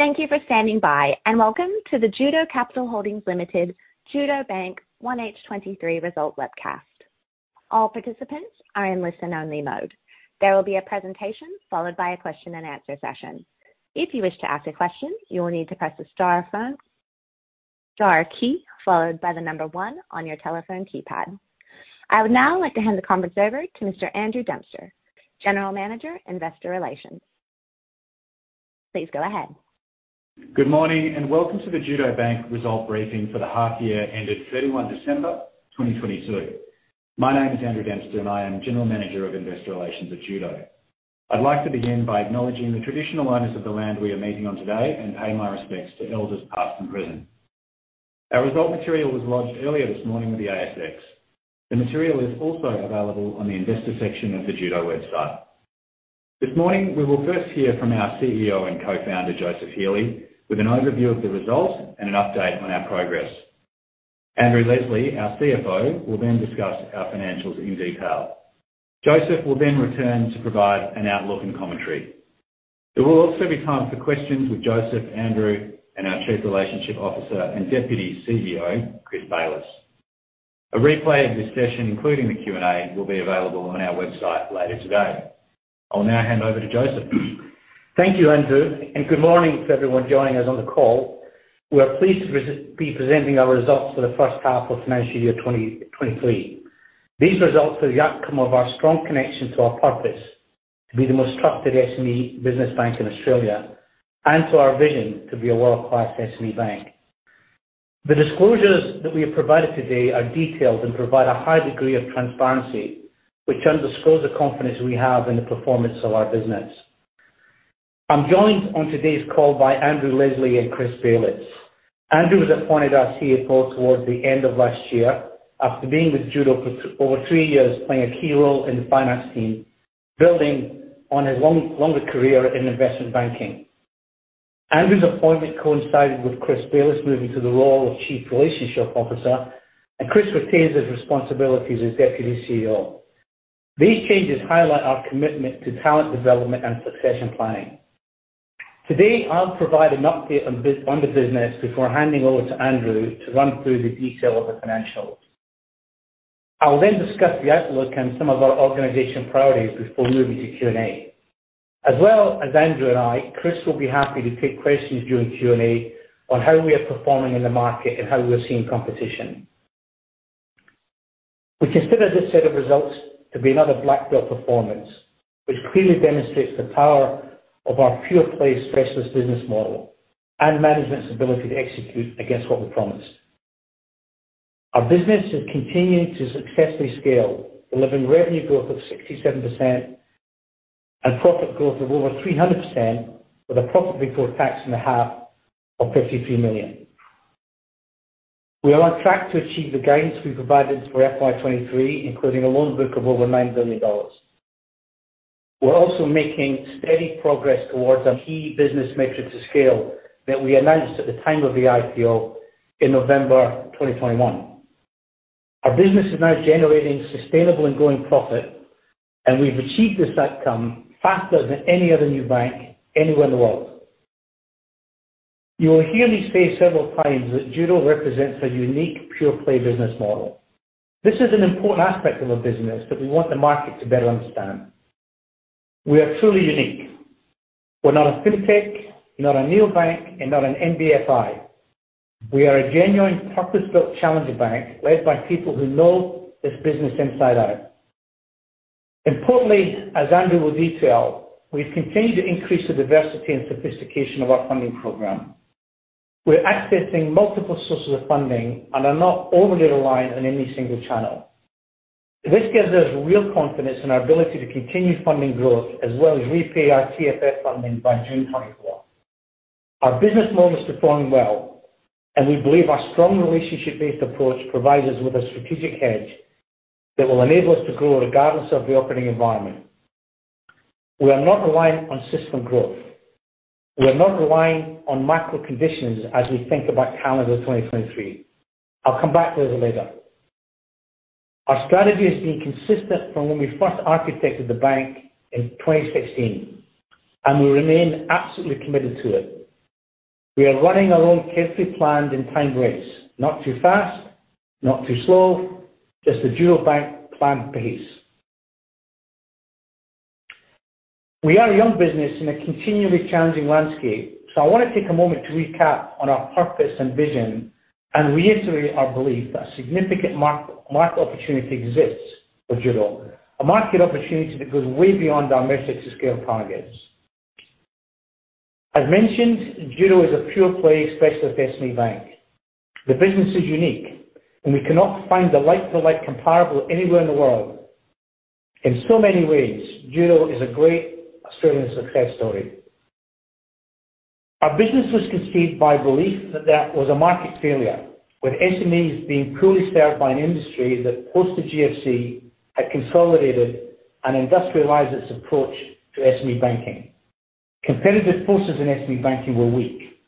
Thank you for standing by. Welcome to the Judo Capital Holdings Limited (Judo Bank) 1H 2023 result webcast. All participants are in listen-only mode. There will be a presentation followed by a question-and-answer session. If you wish to ask a question, you will need to press the star phone, star key followed by the number one on your telephone keypad. I would now like to hand the conference over to Mr. Andrew Dempster, General Manager, Investor Relations. Please go ahead. Good morning, welcome to the Judo Bank result briefing for the half year ended 31 December 2022. My name is Andrew Dempster, and I am General Manager of Investor Relations at Judo. I'd like to begin by acknowledging the traditional owners of the land we are meeting on today and pay my respects to elders, past and present. Our result material was lodged earlier this morning with the ASX. The material is also available on the investor section of the Judo website. This morning, we will first hear from our CEO and co-founder, Joseph Healy, with an overview of the results and an update on our progress. Andrew Leslie, our CFO, will then discuss our financials in detail. Joseph will then return to provide an outlook and commentary. There will also be time for questions with Joseph, Andrew and our Chief Relationship Officer and Deputy CEO, Chris Bayliss. A replay of this session, including the Q&A, will be available on our website later today. I will now hand over to Joseph. Thank you, Andrew, and good morning to everyone joining us on the call. We are pleased to be presenting our results for the 1st half of financial year 2023. These results are the outcome of our strong connection to our purpose to be the most trusted SME business bank in Australia and to our vision to be a world-class SME bank. The disclosures that we have provided today are detailed and provide a high degree of transparency, which underscores the confidence we have in the performance of our business. I'm joined on today's call by Andrew Leslie and Chris Bayliss. Andrew was appointed our CFO towards the end of last year after being with Judo for over three years, playing a key role in the finance team, building on his longer career in investment banking. Andrew's appointment coincided with Chris Bayliss moving to the role of Chief Relationship Officer, and Chris retains his responsibilities as Deputy CEO. These changes highlight our commitment to talent development and succession planning. Today, I'll provide an update on the business before handing over to Andrew to run through the detail of the financials. I will then discuss the outlook and some of our organization priorities before moving to Q&A. As well as Andrew and I, Chris will be happy to take questions during Q&A on how we are performing in the market and how we are seeing competition. We consider this set of results to be another black belt performance, which clearly demonstrates the power of our pure play specialist business model and management's ability to execute against what we promised. Our business is continuing to successfully scale, delivering revenue growth of 67% and profit growth of over 300% with a profit before tax in the half of 53 million. We are on track to achieve the guidance we provided for FY 2023, including a loan book of over 9 billion dollars. We're also making steady progress towards our key business metric to scale that we announced at the time of the IPO in November 2021. Our business is now generating sustainable and growing profit. We've achieved this outcome faster than any other new bank anywhere in the world. You will hear me say several times that Judo represents a unique pure-play business model. This is an important aspect of our business that we want the market to better understand. We are truly unique. We're not a fintech, not a neobank, and not an NBFI. We are a genuine purpose-built challenger bank led by people who know this business inside out. Importantly, as Andrew will detail, we've continued to increase the diversity and sophistication of our funding program. We're accessing multiple sources of funding and are not overly reliant on any single channel. This gives us real confidence in our ability to continue funding growth as well as repay our TFF funding by June 2024. Our business model is performing well, and we believe our strong relationship-based approach provides us with a strategic edge that will enable us to grow regardless of the operating environment. We are not reliant on system growth. We are not reliant on macro conditions as we think about calendar 2023. I'll come back to those later. Our strategy has been consistent from when we first architected the bank in 2016, and we remain absolutely committed to it. We are running our own carefully planned and timed race. Not too fast, not too slow, just the Judo Bank planned pace. We are a young business in a continually challenging landscape. I want to take a moment to recap on our purpose and vision and reiterate our belief that a significant mark-market opportunity exists for Judo. A market opportunity that goes way beyond our metric to scale targets. As mentioned, Judo is a pure-play specialist SME bank. The business is unique, and we cannot find a like-for-like comparable anywhere in the world. In so many ways, Judo is a great Australian success story. Our business was conceived by belief that there was a market failure, with SMEs being poorly served by an industry that, post the GFC, had consolidated and industrialized its approach to SME banking. Competitive forces in SME banking were weak.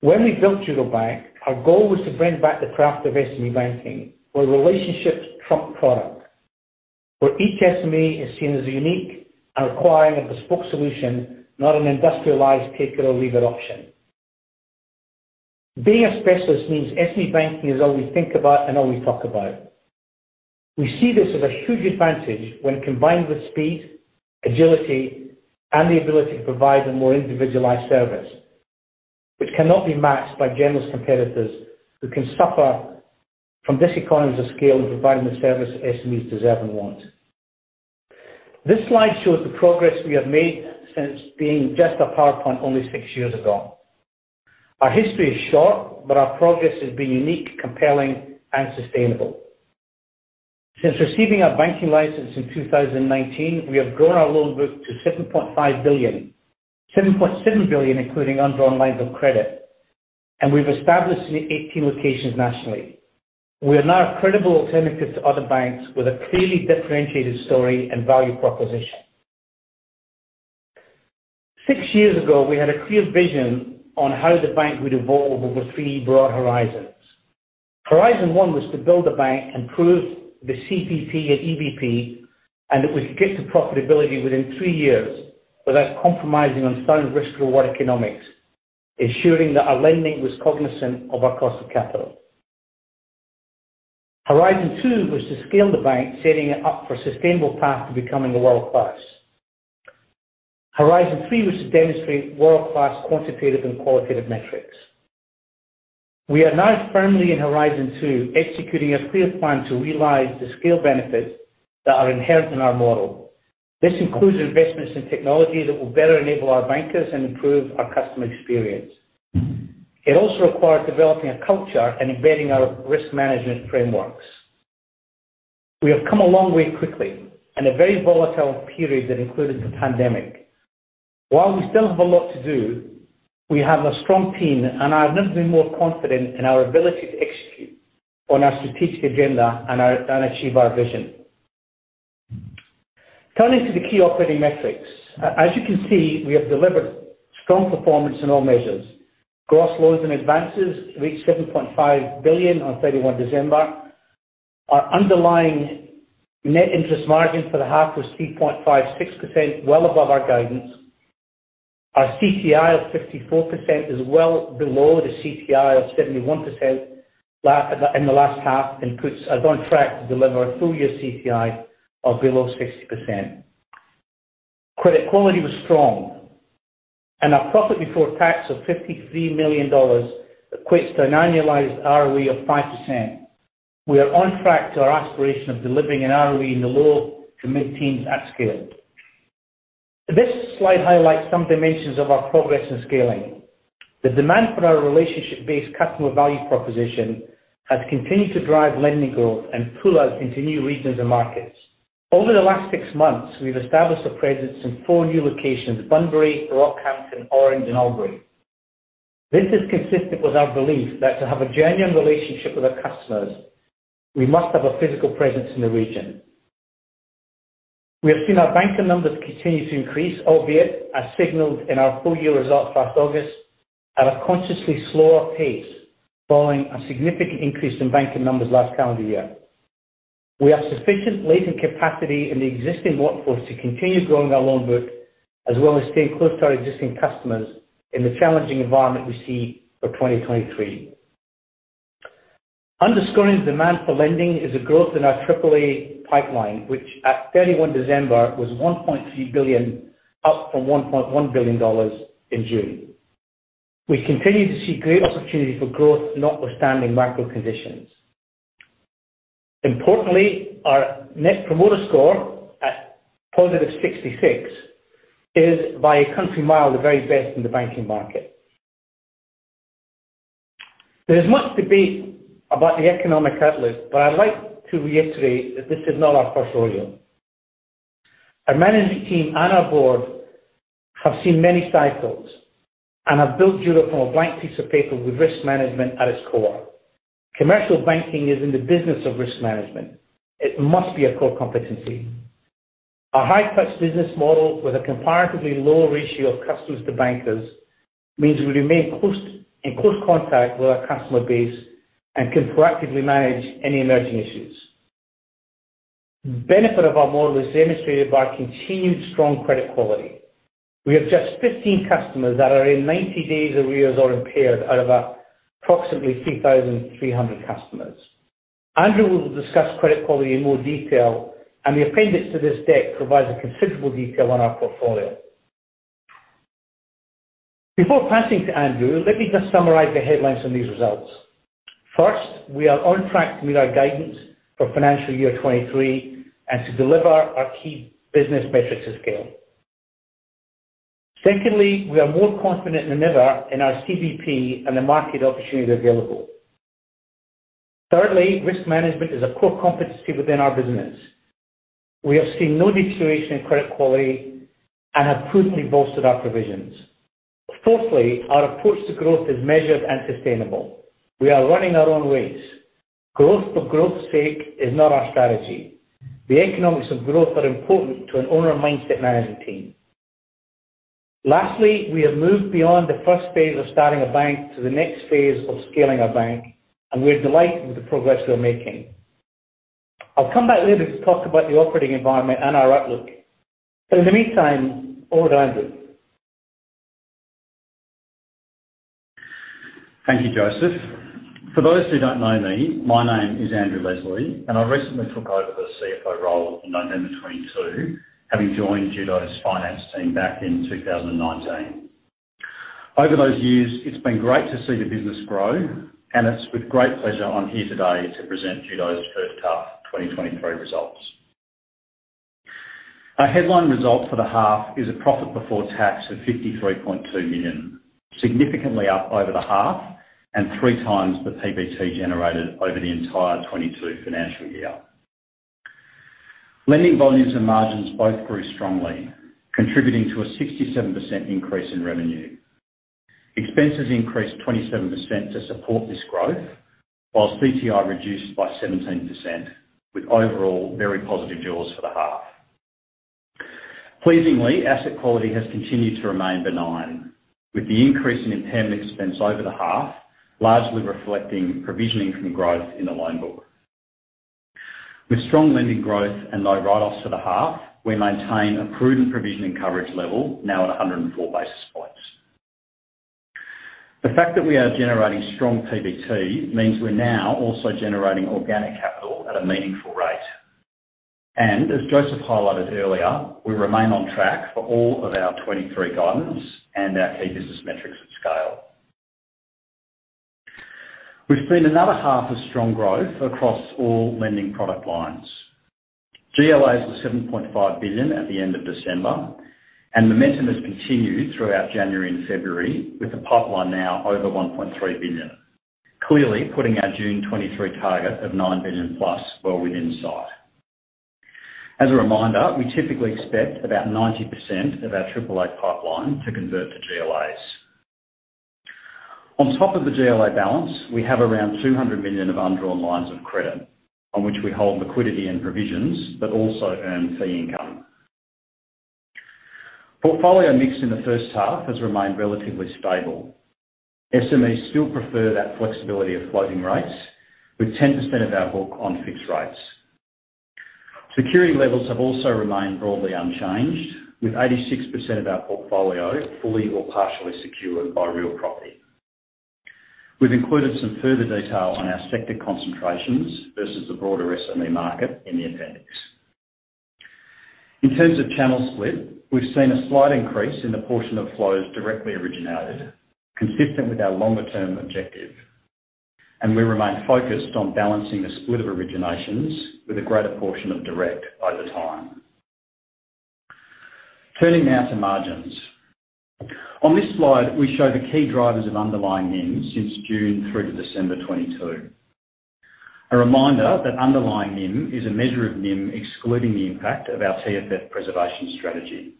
When we built Judo Bank, our goal was to bring back the craft of SME banking, where relationships trump product. Where each SME is seen as unique and requiring a bespoke solution, not an industrialized take it or leave it option. Being a specialist means SME banking is all we think about and all we talk about. We see this as a huge advantage when combined with speed, agility, and the ability to provide a more individualized service, which cannot be matched by generalist competitors who can suffer from diseconomies of scale in providing the service SMEs deserve and want. This slide shows the progress we have made since being just a PowerPoint only six years ago. Our history is short, but our progress has been unique, compelling, and sustainable. Since receiving our banking license in 2019, we have grown our loan book to 7.5 billion. 7.7 billion, including undrawn lines of credit. We've established 18 locations nationally. We are now a credible alternative to other banks with a clearly differentiated story and value proposition. Six years ago, we had a clear vision on how the bank would evolve over three broad horizons. Horizon one was to build a bank and prove the CVP and EBP, and that we could get to profitability within three years without compromising on sound risk reward economics, ensuring that our lending was cognizant of our cost of capital. Horizon two was to scale the bank, setting it up for a sustainable path to becoming a world-class. Horizon three was to demonstrate world-class quantitative and qualitative metrics. We are now firmly in horizon two, executing a clear plan to realize the scale benefits that are inherent in our model. This includes investments in technology that will better enable our bankers and improve our customer experience. It also requires developing a culture and embedding our risk management frameworks. We have come a long way quickly, in a very volatile period that included the pandemic. While we still have a lot to do, we have a strong team, and I've never been more confident in our ability to execute on our strategic agenda and achieve our vision. Turning to the key operating metrics. As you can see, we have delivered strong performance in all measures. Gross loans and advances reached 7.5 billion on 31 December. Our underlying net interest margin for the half was 3.56%, well above our guidance. Our CTI of 54% is well below the CPI of 71% in the last half and puts us on track to deliver a full-year CTI of below 60%. Credit quality was strong. Our profit before tax of 53 million dollars equates to an annualized ROE of 5%. We are on track to our aspiration of delivering an ROE in the low to mid-teens at scale. This slide highlights some dimensions of our progress in scaling. The demand for our relationship-based customer value proposition has continued to drive lending growth and pull out into new regions and markets. Over the last six months, we've established a presence in four new locations Bunbury, Rockhampton, Orange, and Albury. This is consistent with our belief that to have a genuine relationship with our customers, we must have a physical presence in the region. We have seen our banking numbers continue to increase, albeit as signaled in our full-year results last August, at a consciously slower pace, following a significant increase in banking numbers last calendar year. We have sufficient latent capacity in the existing workforce to continue growing our loan book, as well as stay close to our existing customers in the challenging environment we see for 2023. Underscoring the demand for lending is a growth in our AAA pipeline, which at 31 December was 1.3 billion, up from 1.1 billion dollars in June. We continue to see great opportunity for growth, notwithstanding macro conditions. Importantly, our net promoter score at +66 is by a country mile the very best in the banking market. There is much debate about the economic outlook. I'd like to reiterate that this is not our first rodeo. Our management team and our board have seen many cycles and have built Judo from a blank piece of paper with risk management at its core. Commercial banking is in the business of risk management. It must be a core competency. Our high-touch business model with a comparatively lower ratio of customers to bankers means we remain in close contact with our customer base and can proactively manage any emerging issues. The benefit of our model is demonstrated by our continued strong credit quality. We have just 15 customers that are in 90 days arrears or impaired out of our approximately 3,300 customers. Andrew will discuss credit quality in more detail. The appendix to this deck provides considerable detail on our portfolio. Before passing to Andrew, let me just summarize the headlines on these results. First, we are on track to meet our guidance for financial year 2023 and to deliver our key business metrics to scale. Secondly, we are more confident than ever in our CVP and the market opportunity available. Thirdly, risk management is a core competency within our business. We have seen no deterioration in credit quality and have prudently bolstered our provisions. Fourthly, our approach to growth is measured and sustainable. We are running our own race. Growth for growth's sake is not our strategy. The economics of growth are important to an owner mindset management team. We have moved beyond the first phase of starting a bank to the next phase of scaling our bank, and we're delighted with the progress we are making. I'll come back later to talk about the operating environment and our outlook, but in the meantime, over to Andrew. Thank you, Joseph. For those who don't know me, my name is Andrew Leslie, and I recently took over the CFO role in November 2022, having joined Judo's finance team back in 2019. It's with great pleasure I'm here today to present Judo's 1st half 2023 results. Our headline results for the half is a Profit Before Tax of 53.2 million, significantly up over the half and three times the PBT generated over the entire 2022 financial year. Lending volumes and margins both grew strongly, contributing to a 67% increase in revenue. Expenses increased 27% to support this growth, whilst CTI reduced by 17%, with overall very positive jaws for the half. Pleasingly, asset quality has continued to remain benign. With the increase in impairment expense over the half, largely reflecting provisioning from growth in the loan book. With strong lending growth and low write-offs for the half, we maintain a prudent provisioning coverage level now at 104 basis points. The fact that we are generating strong PBT means we're now also generating organic capital at a meaningful rate. As Joseph highlighted earlier, we remain on track for all of our 2023 guidance and our key business metrics at scale. We've seen another half a strong growth across all lending product lines. GLAs were 7.5 billion at the end of December, and momentum has continued throughout January and February, with the pipeline now over 1.3 billion. Clearly putting our June 2023 target of 9 billion-plus well within sight. As a reminder, we typically expect about 90% of our AAA pipeline to convert to GLAs. On top of the GLA balance, we have around 200 million of undrawn lines of credit on which we hold liquidity and provisions, but also earn fee income. Portfolio mix in the 1st half has remained relatively stable. SMEs still prefer that flexibility of floating rates, with 10% of our book on fixed rates. Security levels have also remained broadly unchanged, with 86% of our portfolio fully or partially secured by real property. We've included some further detail on our sector concentrations versus the broader SME market in the appendix. In terms of channel split, we've seen a slight increase in the portion of flows directly originated, consistent with our longer-term objective. We remain focused on balancing the split of originations with a greater portion of direct over time. Turning now to margins. On this slide, we show the key drivers of underlying NIM since June through to December 2022. A reminder that underlying NIM is a measure of NIM excluding the impact of our TFF preservation strategy.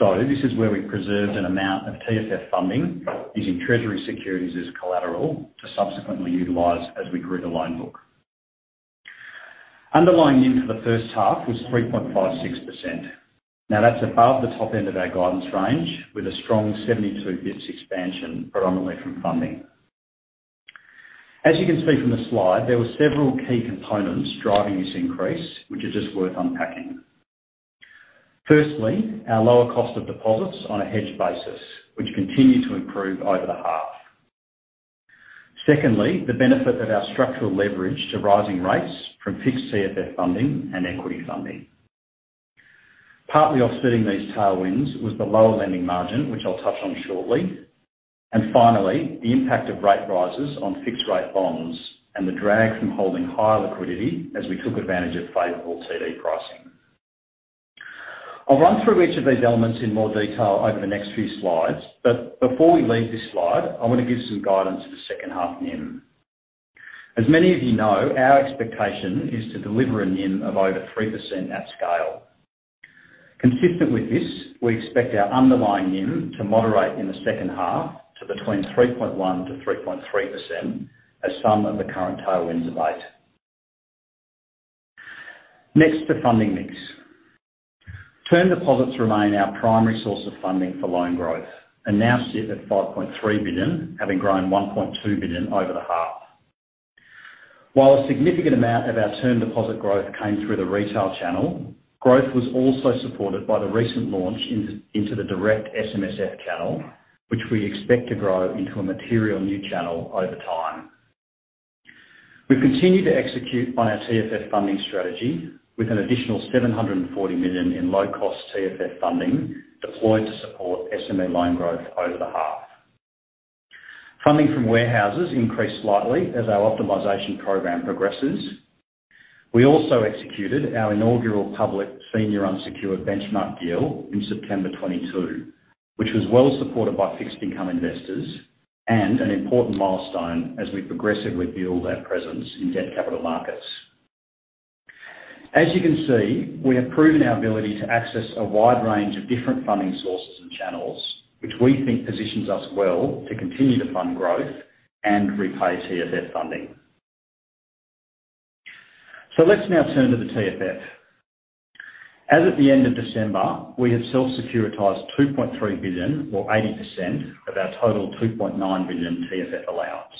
This is where we preserved an amount of TFF funding using treasury securities as collateral to subsequently utilize as we grew the loan book. Underlying NIM for the 1st half was 3.56%. That's above the top end of our guidance range, with a strong 72 bits expansion, predominantly from funding. As you can see from the slide, there were several key components driving this increase, which is just worth unpacking. Firstly, our lower cost of deposits on a hedged basis, which continued to improve over the half. Secondly, the benefit of our structural leverage to rising rates from fixed TFF funding and equity funding. Partly offsetting these tailwinds was the lower lending margin, which I'll touch on shortly. Finally, the impact of rate rises on fixed rate bonds and the drag from holding higher liquidity as we took advantage of favorable TD pricing. I'll run through each of these elements in more detail over the next few slides. Before we leave this slide, I want to give some guidance for the 2nd half NIM. As many of you know, our expectation is to deliver a NIM of over 3% at scale. Consistent with this, we expect our underlying NIM to moderate in the 2nd half to between 3.1%-3.3% as some of the current tailwinds abate. Next, the funding mix. Term deposits remain our primary source of funding for loan growth and now sit at 5.3 billion, having grown 1.2 billion over the half. While a significant amount of our term deposit growth came through the retail channel, growth was also supported by the recent launch into the direct SMSF channel, which we expect to grow into a material new channel over time. We continue to execute on our TFF funding strategy with an additional 740 million in low-cost TFF funding deployed to support SME loan growth over the half. Funding from warehouses increased slightly as our optimization program progresses. We also executed our inaugural public senior unsecured benchmark deal in September 2022, which was well supported by fixed income investors and an important milestone as we progressively build our presence in debt capital markets. You can see, we have proven our ability to access a wide range of different funding sources and channels, which we think positions us well to continue to fund growth and repay TFF funding. Let's now turn to the TFF. At the end of December, we have self-securitized 2.3 billion or 80% of our total 2.9 billion TFF allowance.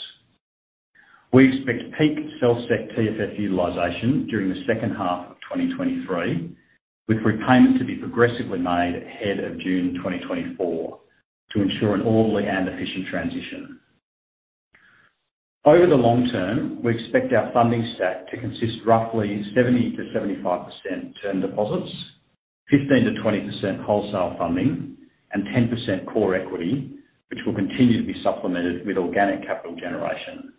We expect peak self-sec TFF utilization during the 2nd half of 2023, with repayments to be progressively made ahead of June 2024 to ensure an orderly and efficient transition. Over the long term, we expect our funding stack to consist roughly 70%-75% term deposits, 15%-20% wholesale funding, and 10% core equity, which will continue to be supplemented with organic capital generation.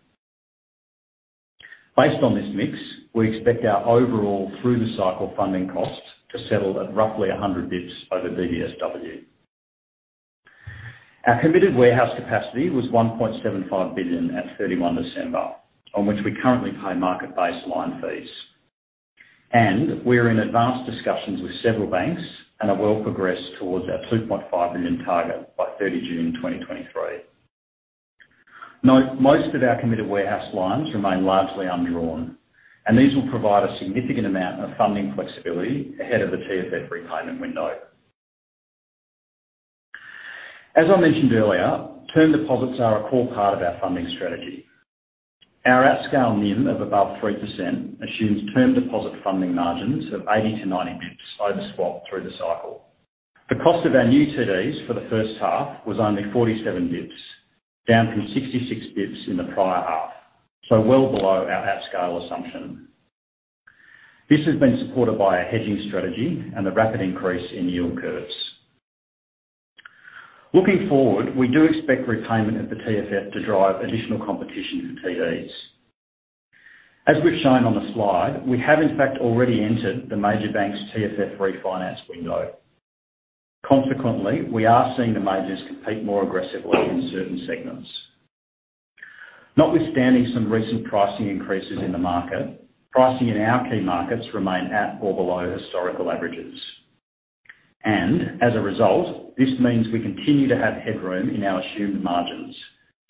Based on this mix, we expect our overall through the cycle funding costs to settle at roughly 100 basis points over BBSW. Our committed warehouse capacity was 1.75 billion at December 31, on which we currently pay market-based line fees. We're in advanced discussions with several banks and are well progressed towards our 2.5 billion target by June 30, 2023. Now, most of our committed warehouse lines remain largely undrawn, and these will provide a significant amount of funding flexibility ahead of the TFF repayment window. As I mentioned earlier, term deposits are a core part of our funding strategy. Our at scale NIM of above 3% assumes term deposit funding margins of 80-90 bps over swap through the cycle. The cost of our new TDs for the 1st half was only 47 bps, down from 66 bps in the prior half, well below our at scale assumption. Looking forward, we do expect repayment of the TFF to drive additional competition for TDs. As we've shown on the slide, we have in fact already entered the major bank's TFF refinance window. We are seeing the majors compete more aggressively in certain segments. Notwithstanding some recent pricing increases in the market, pricing in our key markets remain at or below historical averages. As a result, this means we continue to have headroom in our assumed margins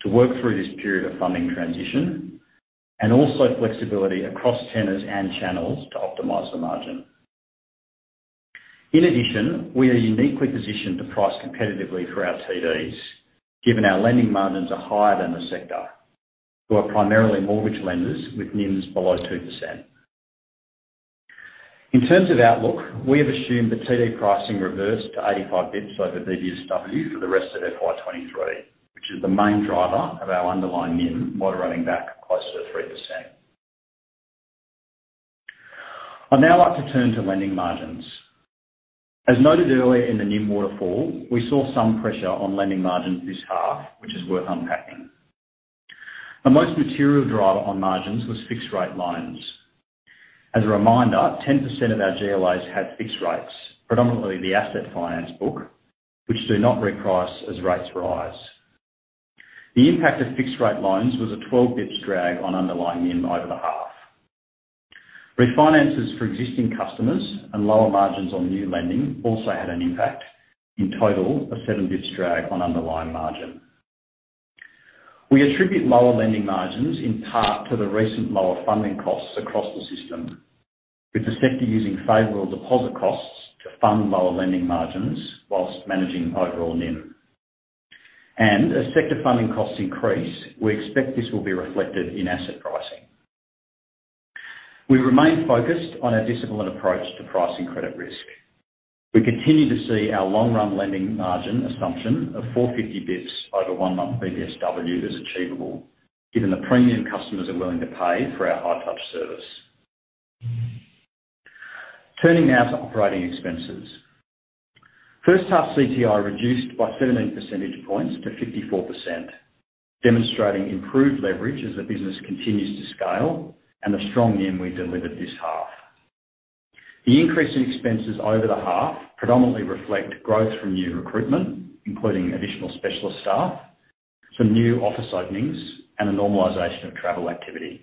to work through this period of funding transition and also flexibility across tenors and channels to optimize the margin. In addition, we are uniquely positioned to price competitively for our TDs, given our lending margins are higher than the sector, who are primarily mortgage lenders with NIMs below 2%. In terms of outlook, we have assumed that TD pricing reversed to 85 basis points over BBSW for the rest of FY 2023, which is the main driver of our underlying NIM while running back close to 3%. I'd now like to turn to lending margins. As noted earlier in the NIM waterfall, we saw some pressure on lending margins this half, which is worth unpacking. The most material driver on margins was fixed rate loans. As a reminder, 10% of our GLAs had fixed rates, predominantly the asset finance book, which do not reprice as rates rise. The impact of fixed rate loans was a 12 basis points drag on underlying NIM over the half. Refinances for existing customers and lower margins on new lending also had an impact, in total, a seven basis points drag on underlying margin. We attribute lower lending margins in part to the recent lower funding costs across the system, with the sector using favorable deposit costs to fund lower lending margins while managing overall NIM. As sector funding costs increase, we expect this will be reflected in asset pricing. We remain focused on our disciplined approach to pricing credit risk. We continue to see our long-run lending margin assumption of 450 bps over one-month BBSW as achievable, given the premium customers are willing to pay for our high touch service. Turning now to operating expenses. 1st half CTI reduced by 13 percentage points to 54%, demonstrating improved leverage as the business continues to scale and the strong NIM we delivered this half. The increase in expenses over the half predominantly reflect growth from new recruitment, including additional specialist staff, some new office openings, and a normalization of travel activity.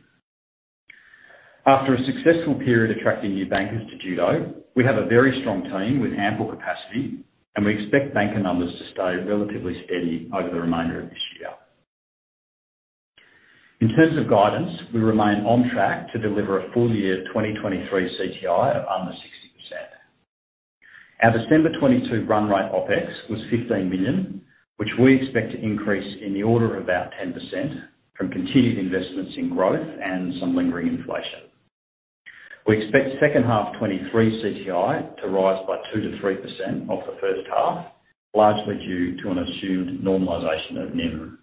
After a successful period attracting new bankers to Judo, we have a very strong team with ample capacity, and we expect banker numbers to stay relatively steady over the remainder of this year. In terms of guidance, we remain on track to deliver a full year 2023 CTI of under 60%. Our December 2022 run rate Opex was 15 million, which we expect to increase in the order of about 10% from continued investments in growth and some lingering inflation. We expect 2nd half 2023 CTI to rise by 2%-3% off the 1st half, largely due to an assumed normalization of NIM.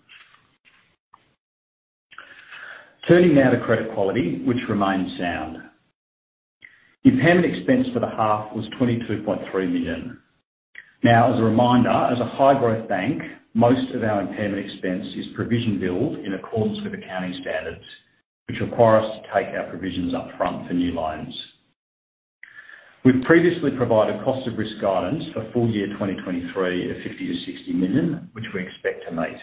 Turning now to credit quality, which remains sound. Impairment expense for the half was 22.3 million. As a reminder, as a high growth bank, most of our impairment expense is provision build in accordance with accounting standards, which require us to take our provisions up front for new loans. We've previously provided cost of risk guidance for full year 2023 at 50 million-60 million, which we expect to meet.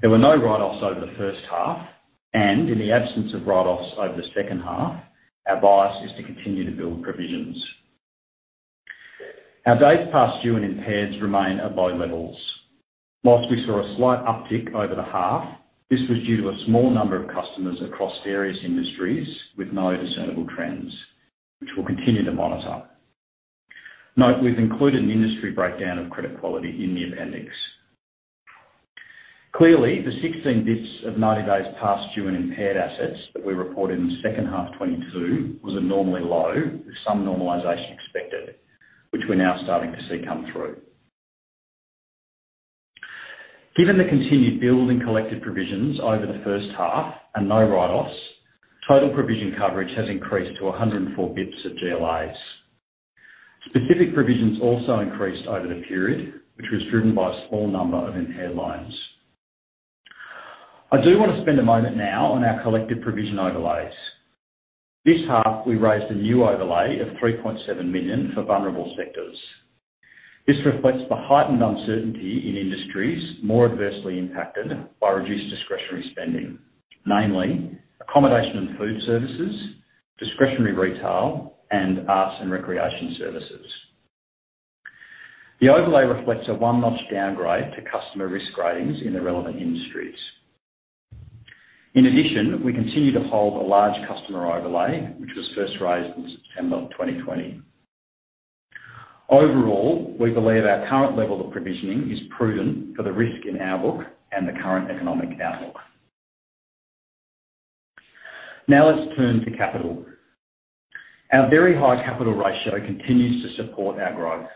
There were no write-offs over the 1st half. In the absence of write-offs over the 2nd half, our bias is to continue to build provisions. Our days past due and impaired remain at low levels. Whilst we saw a slight uptick over the half, this was due to a small number of customers across various industries with no discernible trends, which we'll continue to monitor. Note, we've included an industry breakdown of credit quality in the appendix. Clearly, the 16 bits of 90 days past due in impaired assets that we reported in the 2nd half 2022 was abnormally low, with some normalization expected, which we're now starting to see come through. Given the continued build and collective provisions over the 1st half and no write-offs, total provision coverage has increased to 104 basis points of GLAs. Specific provisions also increased over the period, which was driven by a small number of impaired loans. I do want to spend a moment now on our collective provision overlays. This half, we raised a new overlay of 3.7 million for vulnerable sectors. This reflects the heightened uncertainty in industries more adversely impacted by reduced discretionary spending, namely accommodation and food services, discretionary retail, and arts and recreation services. The overlay reflects a one-notch downgrade to customer risk ratings in the relevant industries. In addition, we continue to hold a large customer overlay, which was first raised in September of 2020. Overall, we believe our current level of provisioning is prudent for the risk in our book and the current economic outlook. Let's turn to capital. Our very high capital ratio continues to support our growth.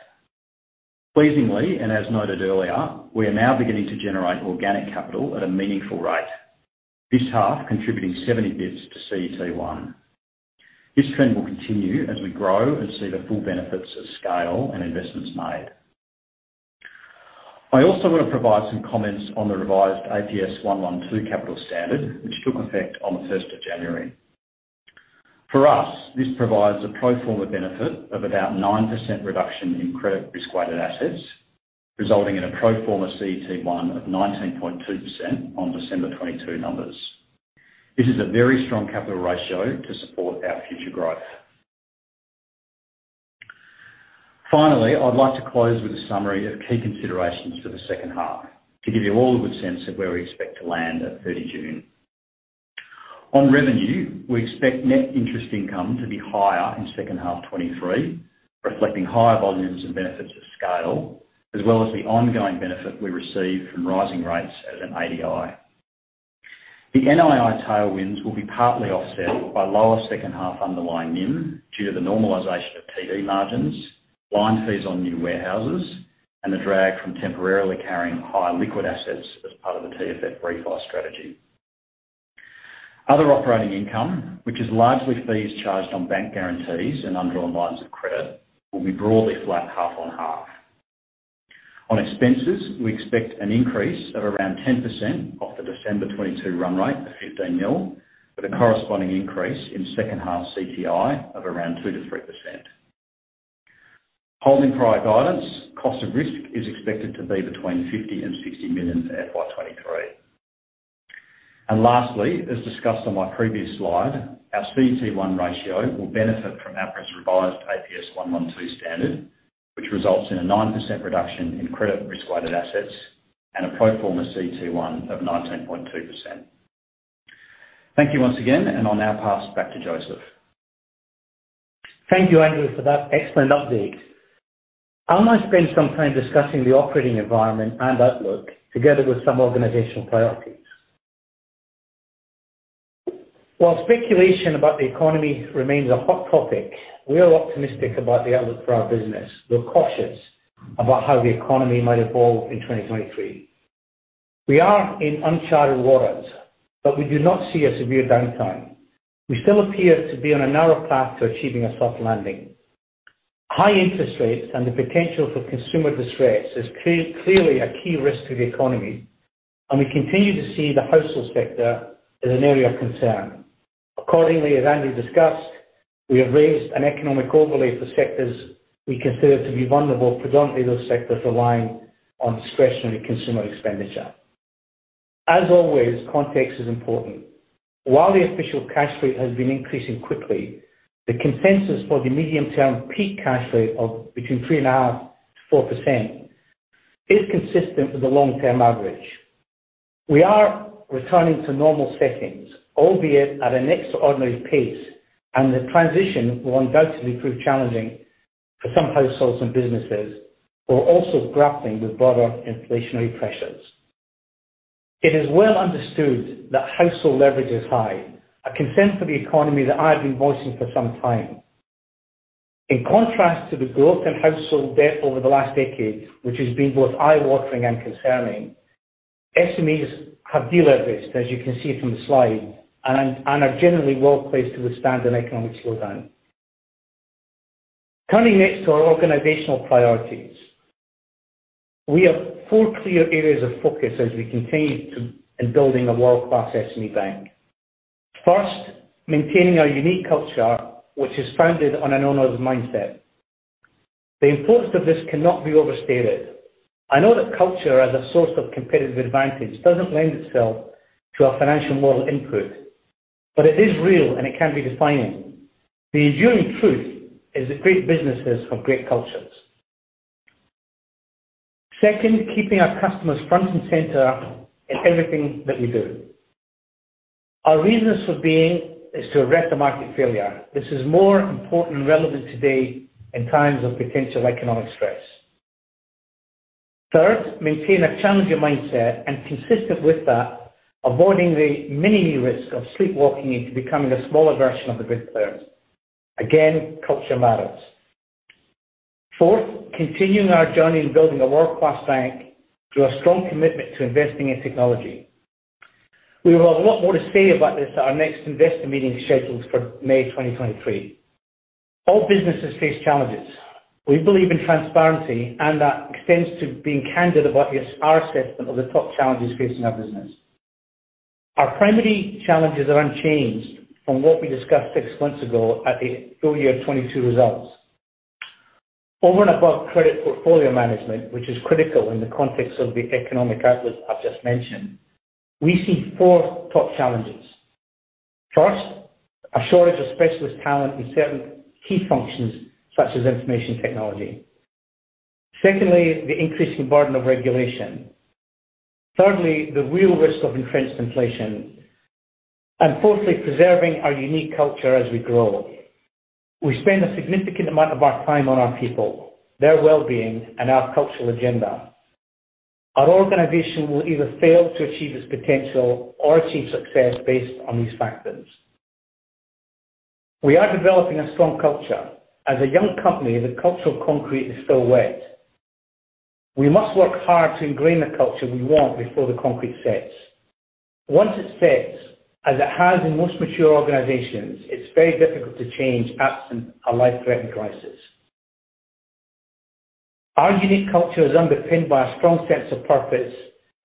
Pleasingly, and as noted earlier, we are now beginning to generate organic capital at a meaningful rate. This half, contributing 70 bits to CET1. This trend will continue as we grow and see the full benefits of scale and investments made. I also want to provide some comments on the revised APS 112 capital standard, which took effect on the 1st of January. For us, this provides a pro forma benefit of about 9% reduction in credit risk-weighted assets, resulting in a pro forma CET1 of 19.2% on December 2022 numbers. This is a very strong capital ratio to support our future growth. I'd like to close with a summary of key considerations for the 2nd half to give you all a good sense of where we expect to land at 30 June. On revenue, we expect net interest income to be higher in 2nd half 2023, reflecting higher volumes and benefits of scale, as well as the ongoing benefit we receive from rising rates as an ADI. The NII tailwinds will be partly offset by lower 2nd half underlying NIM due to the normalization of TD margins, line fees on new warehouses, and the drag from temporarily carrying high liquid assets as part of the TFF refi strategy. Other operating income, which is largely fees charged on bank guarantees and undrawn lines of credit, will be broadly flat half on half. On expenses, we expect an increase of around 10% off the December 2022 run rate of 15 million, with a corresponding increase in 2nd half CTI of around 2%-3%. Holding prior guidance, cost of risk is expected to be between 50 million and 60 million FY 2023. Lastly, as discussed on my previous slide, our CET1 ratio will benefit from APRA's revised APS 112 standard, which results in a 9% reduction in credit risk-weighted assets and a pro forma CET1 of 19.2%. Thank you once again, and I'll now pass back to Joseph. Thank you, Andrew, for that excellent update. I'm going to spend some time discussing the operating environment and outlook together with some organizational priorities. While speculation about the economy remains a hot topic, we are optimistic about the outlook for our business. We're cautious about how the economy might evolve in 2023. We are in uncharted waters, but we do not see a severe downtime. We still appear to be on a narrow path to achieving a soft landing. High interest rates and the potential for consumer distress is clearly a key risk to the economy, and we continue to see the household sector as an area of concern. Accordingly as Andrew discussed, we have raised an economic overlay for sectors we consider to be vulnerable, predominantly those sectors relying on discretionary consumer expenditure. context is important. While the official cash rate has been increasing quickly, the consensus for the medium-term peak cash rate of between 3.5% and 4% is consistent with the long-term average. We are returning to normal settings, albeit at an extraordinary pace, the transition will undoubtedly prove challenging for some households and businesses who are also grappling with broader inflationary pressures. It is well understood that household leverage is high, a concern for the economy that I've been voicing for some time. In contrast to the growth in household debt over the last decade, which has been both eye-watering and concerning, SMEs have de-leveraged, as you can see from the slide, and are generally well-placed to withstand an economic slowdown. Coming next to our organizational priorities. We have four clear areas of focus in building a world-class SME bank. First, maintaining our unique culture, which is founded on an owner's mindset. The importance of this cannot be overstated. I know that culture as a source of competitive advantage doesn't lend itself to our financial model input, but it is real and it can be defining. The enduring truth is that great businesses have great cultures. Second, keeping our customers front and center in everything that we do. Our reasons for being is to erect a market failure. This is more important and relevant today in times of potential economic stress. Third, maintain a challenging mindset, and consistent with that, avoiding the many risks of sleepwalking into becoming a smaller version of the big players. Again, culture matters. Fourth, continuing our journey in building a world-class bank through a strong commitment to investing in technology. We have a lot more to say about this at our next investor meeting scheduled for May 2023. All businesses face challenges. We believe in transparency, and that extends to being candid about our assessment of the top challenges facing our business. Our primary challenges are unchanged from what we discussed six months ago at the full year 2022 results. Over and above credit portfolio management, which is critical in the context of the economic outlook I've just mentioned, we see four top challenges. First, a shortage of specialist talent in certain key functions such as information technology. Secondly, the increasing burden of regulation. Thirdly, the real risk of entrenched inflation. Fourthly, preserving our unique culture as we grow. We spend a significant amount of our time on our people, their well-being, and our cultural agenda. Our organization will either fail to achieve its potential or achieve success based on these factors. We are developing a strong culture. As a young company, the cultural concrete is still wet. We must work hard to ingrain the culture we want before the concrete sets. Once it sets, as it has in most mature organizations, it's very difficult to change absent a life-threatening crisis. Our unique culture is underpinned by a strong sense of purpose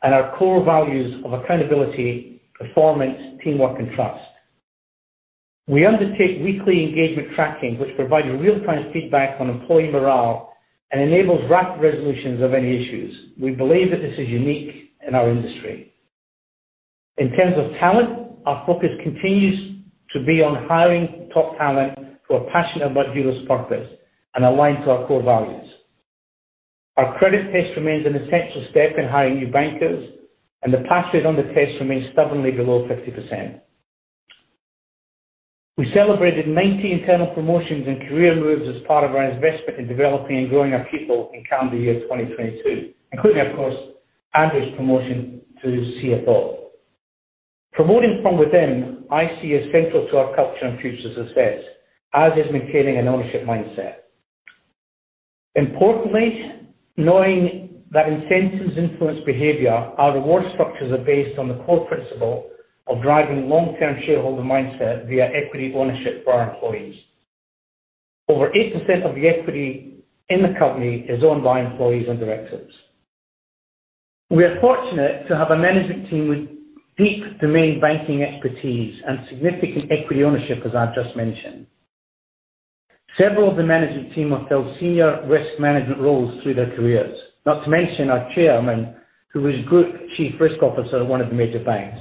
and our core values of accountability, performance, teamwork, and trust. We undertake weekly engagement tracking, which provides real-time feedback on employee morale and enables rapid resolutions of any issues. We believe that this is unique in our industry. In terms of talent, our focus continues to be on hiring top talent who are passionate about Judo's purpose and aligned to our core values. Our credit test remains an essential step in hiring new bankers, and the pass rate on the test remains stubbornly below 50%. We celebrated 90 internal promotions and career moves as part of our investment in developing and growing our people in calendar year 2022, including, of course, Andrew's promotion to CFO. Promoting from within I see is central to our culture and future success, as is maintaining an ownership mindset. Importantly, knowing that incentives influence behavior, our reward structures are based on the core principle of driving long-term shareholder mindset via equity ownership for our employees. Over 8% of the equity in the company is owned by employees and directors. We are fortunate to have a management team with deep domain banking expertise and significant equity ownership, as I've just mentioned. Several of the management team have held senior risk management roles through their careers, not to mention our chairman, who was group chief risk officer at one of the major banks.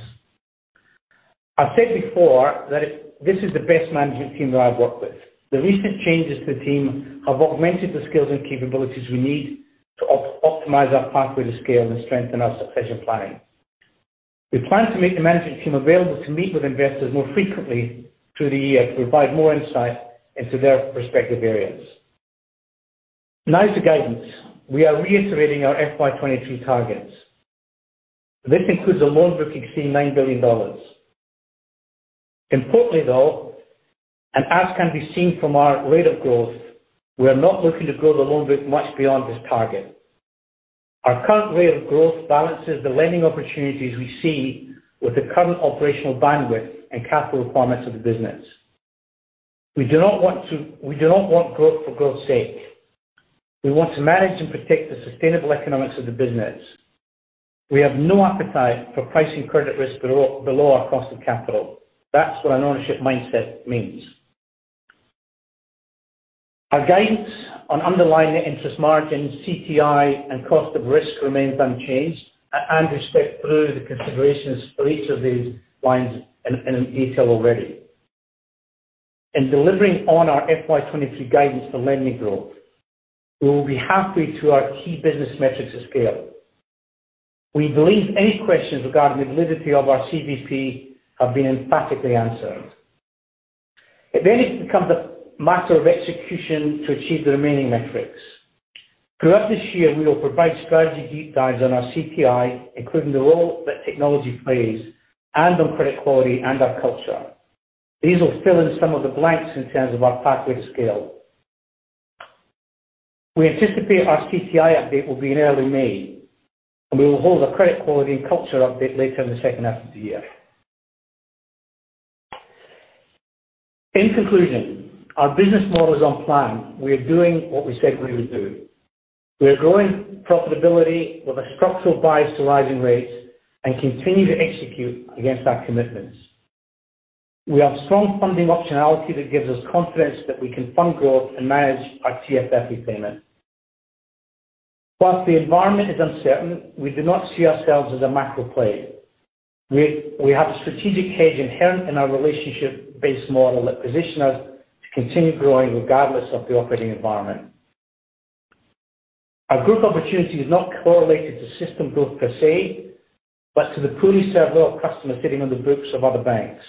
I've said before that this is the best management team that I've worked with. The recent changes to the team have augmented the skills and capabilities we need to optimize our pathway to scale and strengthen our succession planning. We plan to make the management team available to meet with investors more frequently through the year to provide more insight into their respective areas. To guidance. We are reiterating our FY 2023 targets. This includes a loan book exceeding 9 billion dollars. Importantly, though, and as can be seen from our rate of growth, we are not looking to grow the loan book much beyond this target. Our current rate of growth balances the lending opportunities we see with the current operational bandwidth and capital requirements of the business. We do not want growth for growth's sake. We want to manage and protect the sustainable economics of the business. We have no appetite for pricing credit risk below our cost of capital. That's what an ownership mindset means. Our guidance on underlying net interest margin, CTI, and cost of risk remains unchanged. Andrew stepped through the considerations for each of these lines in detail already. In delivering on our FY 2023 guidance for lending growth, we will be halfway to our key business metrics of scale. We believe any questions regarding the validity of our CVP have been emphatically answered. It becomes a matter of execution to achieve the remaining metrics. Throughout this year, we will provide strategy deep dives on our CTI, including the role that technology plays and on credit quality and our culture. These will fill in some of the blanks in terms of our pathway to scale. We anticipate our CTI update will be in early May, and we will hold a credit quality and culture update later in the 2nd half of the year. In conclusion, our business model is on plan. We are doing what we said we would do. We are growing profitability with a structural bias to rising rates and continue to execute against our commitments. We have strong funding optionality that gives us confidence that we can fund growth and manage our TFF repayment. Whilst the environment is uncertain, we do not see ourselves as a macro play. We have a strategic edge inherent in our relationship-based model that position us to continue growing regardless of the operating environment. Our group opportunity is not correlated to system growth per se, but to the poorly served customers sitting on the books of other banks.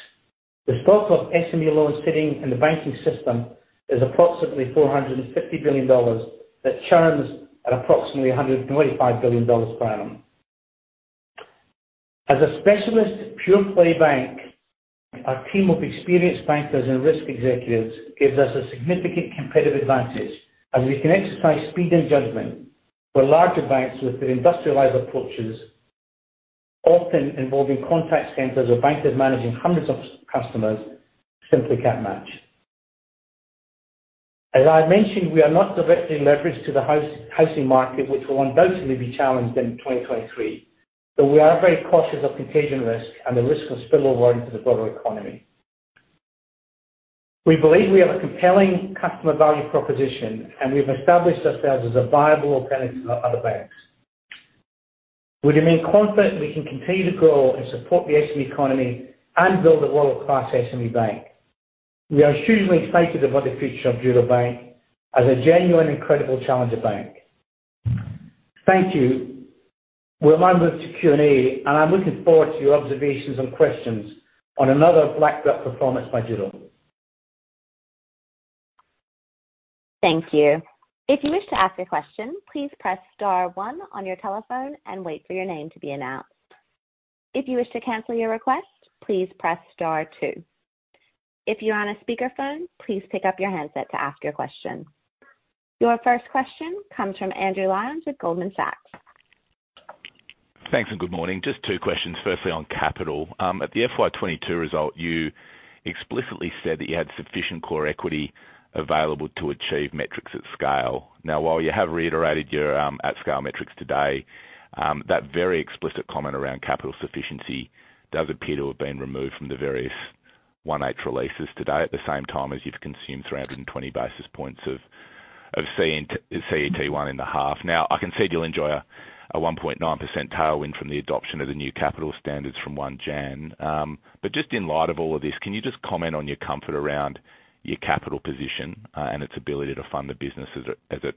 The stock of SME loans sitting in the banking system is approximately $450 billion that churns at approximately $125 billion per annum. As a specialist pure-play bank, our team of experienced bankers and risk executives gives us a significant competitive advantage as we can exercise speed and judgment for larger banks with the industrialized approaches, often involving contact centers or bankers managing hundreds of customers simply can't match. As I mentioned, we are not directly leveraged to the housing market, which will undoubtedly be challenged in 2023, but we are very cautious of contagion risk and the risk of spillover into the broader economy. We believe we have a compelling Customer Value Proposition, and we've established ourselves as a viable alternative to other banks. We remain confident we can continue to grow and support the SME economy and build a world-class SME bank. We are hugely excited about the future of Judo Bank as a genuine, incredible challenger bank. Thank you. We will now move to Q&A, and I'm looking forward to your observations and questions on another black belt performance by Judo. Thank you. If you wish to ask a question, please press star one on your telephone and wait for your name to be announced. If you wish to cancel your request, please press star two. If you're on a speakerphone, please pick up your handset to ask your question. Your first question comes from Andrew Lyons with Goldman Sachs. Thanks, good morning. Just two questions, firstly, on capital. At the FY 2022 result, you explicitly said that you had sufficient core equity available to achieve metrics at scale. While you have reiterated your at-scale metrics today, that very explicit comment around capital sufficiency does appear to have been removed from the various 1H releases today, at the same time as you've consumed 320 basis points of CET1 in the half. I can see you'll enjoy a 1.9% tailwind from the adoption of the new capital standards from Jan. Just in light of all of this, can you just comment on your comfort around your capital position and its ability to fund the business as it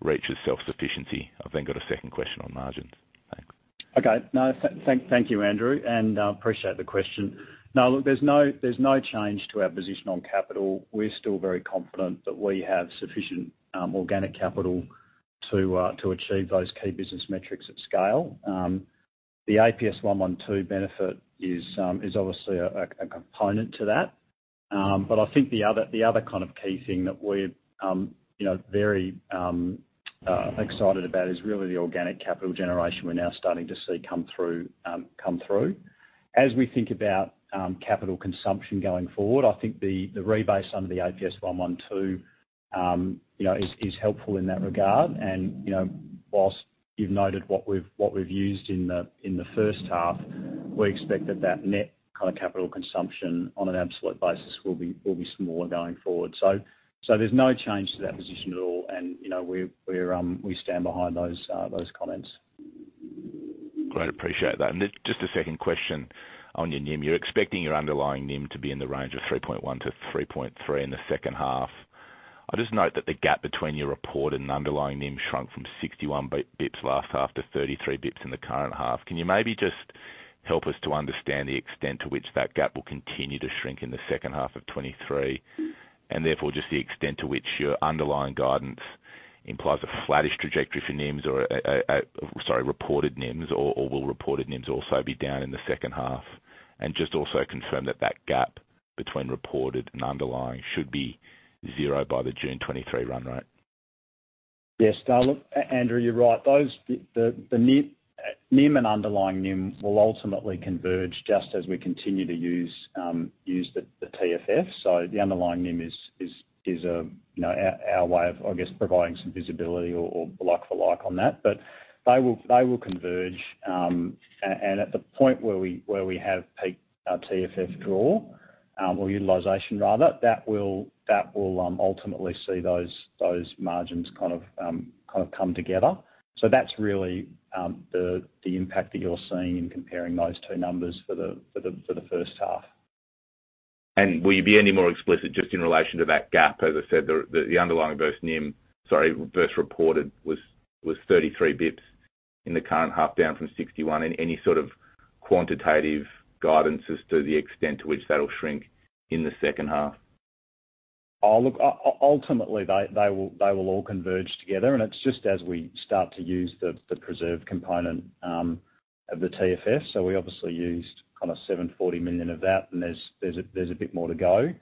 reaches self-sufficiency? I've got a second question on margins. Thanks. Okay. No. Thank you, Andrew, appreciate the question. Look, there's no change to our position on capital. We're still very confident that we have sufficient organic capital to achieve those key business metrics at scale. The APS 112 benefit is obviously a component to that. I think the other kind of key thing that we're, you know, very excited about is really the organic capital generation we're now starting to see come through. As we think about capital consumption going forward, I think the rebase under the APS 112, you know, is helpful in that regard. You know, whilst you've noted what we've used in the 1st half, we expect that net kind of capital consumption on an absolute basis will be smaller going forward. There's no change to that position at all, and, you know, we stand behind those comments. Great. Appreciate that. Just a second question on your NIM. You're expecting your underlying NIM to be in the range of 3.1%-3.3% in the 2nd half. I just note that the gap between your reported and underlying NIM shrunk from 61 bips last half to 33 bips in the current half. Can you maybe just help us to understand the extent to which that gap will continue to shrink in the 2nd half of 2023? Therefore, just the extent to which your underlying guidance implies a flattish trajectory for NIMs or Sorry, reported NIMs or will reported NIMs also be down in the 2nd half? Just also confirm that that gap between reported and underlying should be zero by the June 2023 run rate. Yes. Look, Andrew, you're right. Those, the NIM and underlying NIM will ultimately converge just as we continue to use the TFF. The underlying NIM is, you know, our way of, I guess, providing some visibility or like for like on that. They will converge. At the point where we have peaked our TFF draw or utilization rather, that will ultimately see those margins kind of come together. That's really the impact that you're seeing in comparing those two numbers for the 1st half. Will you be any more explicit just in relation to that gap? As I said, the underlying versus NIM, sorry, versus reported was 33 bips in the current half, down from 61. Any sort of quantitative guidance as to the extent to which that'll shrink in the 2nd half. Look, ultimately, they will all converge together. It's just as we start to use the preserve component of the TFF. We obviously used kind of 740 million of that. There's a bit more to go.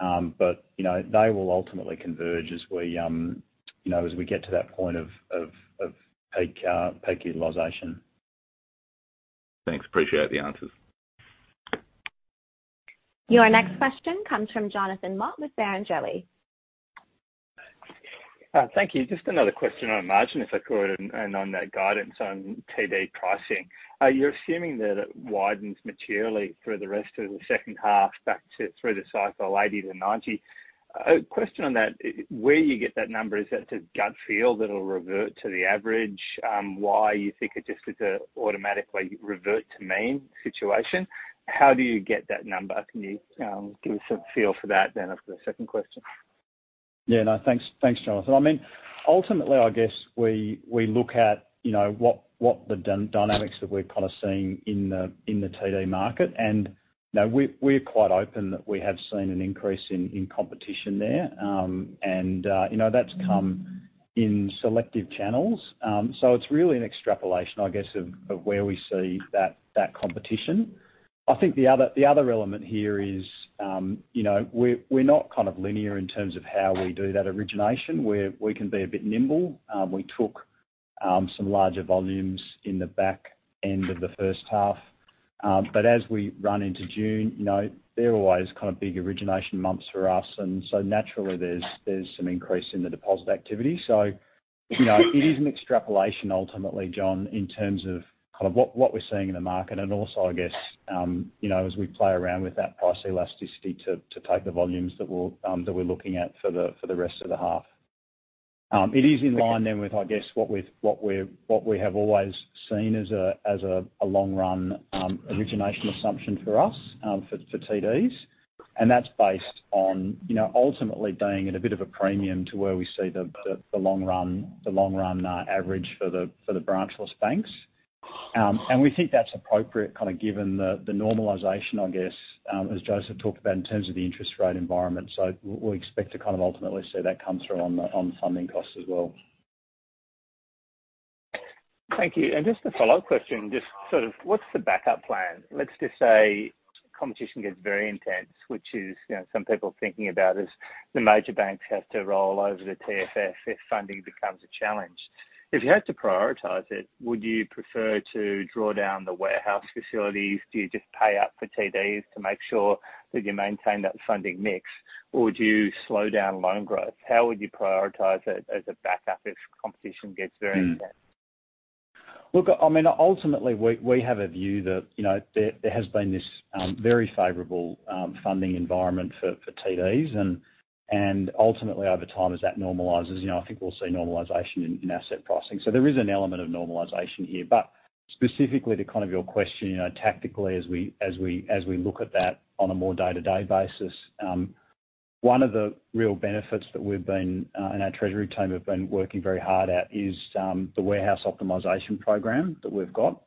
You know, they will ultimately converge as we, you know, as we get to that point of peak utilization. Thanks. Appreciate the answers. Your next question comes from Jonathan Mott with Barrenjoey. Thank you. Just another question on margin, if I could, and on that guidance on TD pricing. Are you assuming that it widens materially through the rest of the 2nd half back to through the cycle 80-90? Question on that, where you get that number, is that a gut feel that it'll revert to the average? Why you think it just is a automatically revert to mean situation? How do you get that number? Can you give us a feel for that then after the second question? No, thanks, Jonathan. I mean, ultimately, I guess we look at what the dynamics that we're kind of seeing in the TD market. we're quite open that we have seen an increase in competition there. that's come in selective channels. it's really an extrapolation, I guess, of where we see that competition. I think the other element here is we're not kind of linear in terms of how we do that origination, where we can be a bit nimble. We took some larger volumes in the back end of the 1st half. as we run into June, they're always kind of big origination months for us. Naturally, there's some increase in the deposit activity. You know, it is an extrapolation ultimately, John, in terms of kind of what we're seeing in the market and also I guess, you know, as we play around with that price elasticity to take the volumes that we're that we're looking at for the rest of the half. It is in line then with, I guess, what we have always seen as a, as a long run, origination assumption for us, for TDs. That's based on, you know, ultimately being at a bit of a premium to where we see the long-run average for the, for the branchless banks. We think that's appropriate, given the normalization, as Joseph talked about in terms of the interest rate environment. We'll expect to ultimately see that come through on the funding costs as well. Thank you. Just a follow-up question, just sort of what's the backup plan? Let's just say competition gets very intense, which is, you know, some people thinking about is the major banks have to roll over the TFF if funding becomes a challenge. If you had to prioritize it, would you prefer to draw down the warehouse facilities? Do you just pay up for TDs to make sure that you maintain that funding mix? Would you slow down loan growth? How would you prioritize it as a backup if competition gets very intense? Look, I mean, ultimately, we have a view that, you know, there has been this very favorable funding environment for TDs. Ultimately, over time, as that normalizes, you know, I think we'll see normalization in asset pricing. There is an element of normalization here. Specifically to kind of your question, you know, tactically, as we look at that on a more day-to-day basis, one of the real benefits that we've been and our treasury team have been working very hard at is the warehouse optimization program that we've got.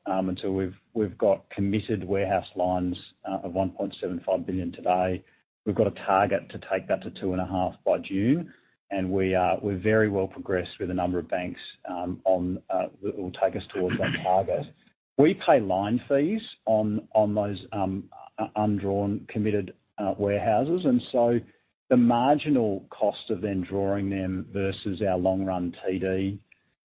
We've got committed warehouse lines of 1.75 billion today. We've got a target to take that to 2.5 by June. We're very well progressed with a number of banks that will take us towards that target. We pay line fees on those undrawn committed warehouses, so the marginal cost of then drawing them versus our long run TD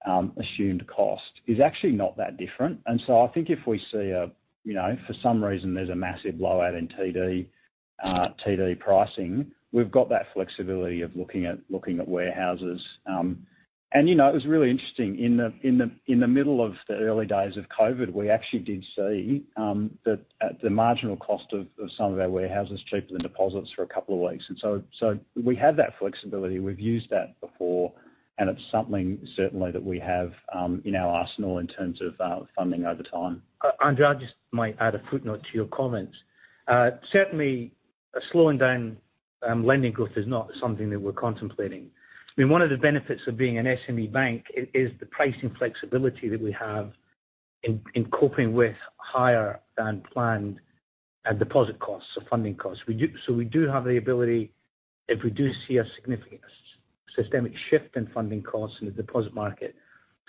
assumed cost is actually not that different. So I think if we see a, you know, for some reason, there's a massive blowout in TD pricing, we've got that flexibility of looking at warehouses. You know, it was really interesting in the middle of the early days of COVID, we actually did see the marginal cost of some of our warehouses cheaper than deposits for a couple of weeks. So we have that flexibility. We've used that before, and it's something certainly that we have in our arsenal in terms of funding over time. Andrew, I just might add a footnote to your comments. Certainly, slowing down, lending growth is not something that we're contemplating. I mean, one of the benefits of being an SME bank is the pricing flexibility that we have in coping with higher than planned, deposit costs or funding costs. So we do have the ability, if we do see a significant systemic shift in funding costs in the deposit market,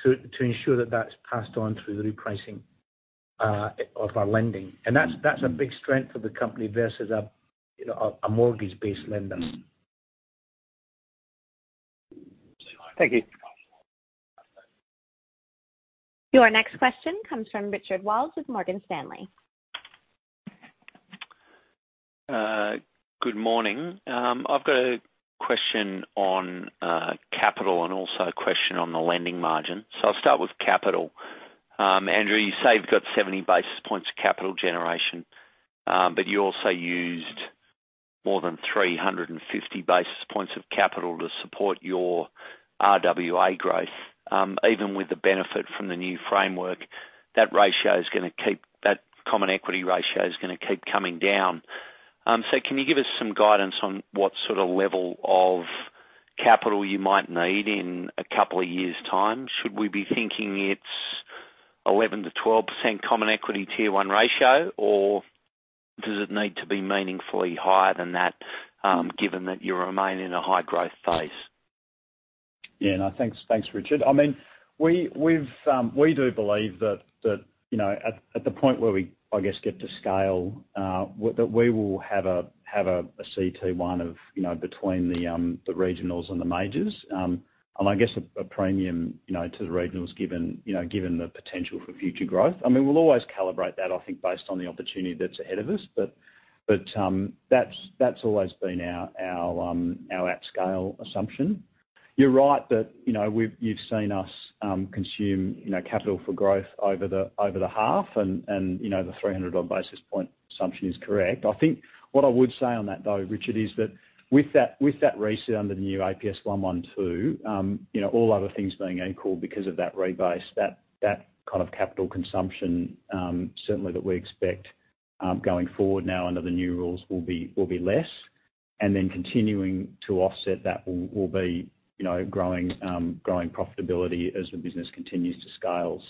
to ensure that that's passed on through the repricing, of our lending. That's, that's a big strength of the company versus a, you know, a mortgage-based lender. Thank you. Your next question comes from Richard Wiles with Morgan Stanley. Good morning. I've got a question on capital and also a question on the lending margin. I'll start with capital. Andrew, you say you've got 70 basis points of capital generation, but you also used more than 350 basis points of capital to support your RWA growth. Even with the benefit from the new framework, that common equity ratio is gonna keep coming down. Can you give us some guidance on what sort of level of capital you might need in a couple of years' time? Should we be thinking it's 11%-12% common equity tier one ratio, or does it need to be meaningfully higher than that, given that you remain in a high growth phase? No, thanks, Richard. I mean, we've, we do believe that, you know, at the point where we, I guess, get to scale, that we will have a, have a CET1 of, you know, between the regionals and the majors, and I guess a premium, you know, to the regionals given, you know, given the potential for future growth. I mean, we'll always calibrate that, I think, based on the opportunity that's ahead of us. That's always been our at scale assumption. You're right that, you've seen us consume, you know, capital for growth over the, over the half and, you know, the 300 odd basis point assumption is correct. I think what I would say on that, though, Richard, is that with that, with that reset under the new APS 112, you know, all other things being equal because of that rebase, that kind of capital consumption, certainly that we expect, going forward now under the new rules will be less. Then continuing to offset that will be, you know, growing profitability as the business continues to scale.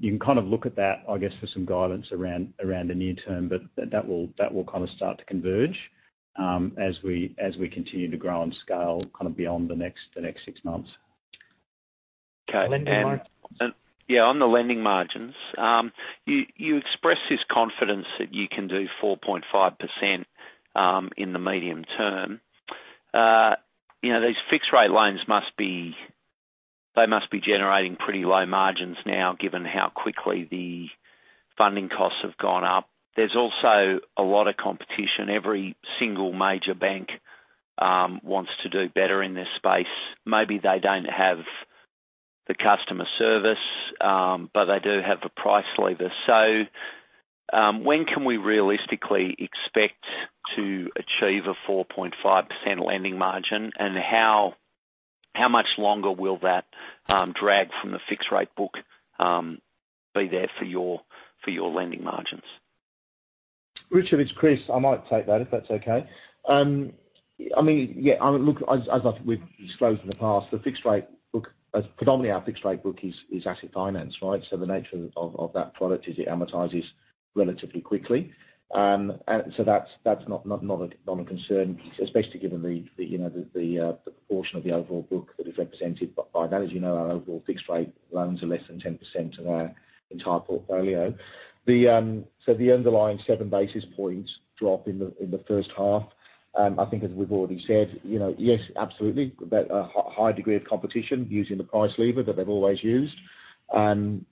You can kind of look at that, I guess, for some guidance around the near term, but that will kind of start to converge as we continue to grow and scale kind of beyond the next six months. Okay. Lending margins. Yeah, on the lending margins. You express this confidence that you can do 4.5% in the medium term. You know, they must be generating pretty low margins now, given how quickly the funding costs have gone up. There's also a lot of competition. Every single major bank wants to do better in this space. Maybe they don't have the customer service, but they do have the price lever. When can we realistically expect to achieve a 4.5% lending margin? How much longer will that drag from the fixed rate book be there for your, for your lending margins? Richard, it's Chris. I might take that, if that's okay. I mean, yeah, I mean, look, as I think we've disclosed in the past, the fixed rate book, predominantly our fixed rate book is asset finance, right? The nature of that product is it amortizes relatively quickly. That's not a concern, especially given the, you know, the proportion of the overall book that is represented by that. As you know, our overall fixed rate loans are less than 10% of our entire portfolio. The underlying 7 basis points drop in the, in the 1st half, I think as we've already said, you know, yes, absolutely. That a high degree of competition using the price lever that they've always used. SME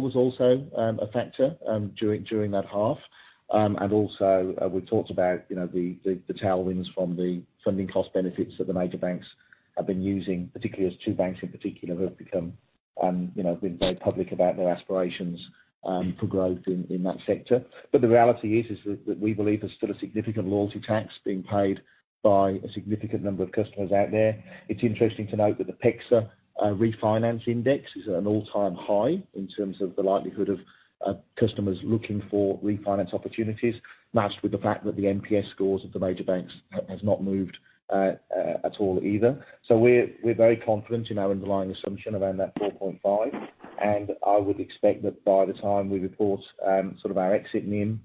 was also a factor during that half. Also, we talked about, you know, the tailwinds from the funding cost benefits that the major banks have been using, particularly as two banks in particular, who have become, you know, been very public about their aspirations for growth in that sector. The reality is that we believe there's still a significant loyalty tax being paid by a significant number of customers out there. It's interesting to note that the PEXA refinance index is at an all-time high in terms of the likelihood of customers looking for refinance opportunities, matched with the fact that the NPS scores of the major banks has not moved at all either. We're very confident in our underlying assumption around that 4.5. I would expect that by the time we report, sort of our exit NIM,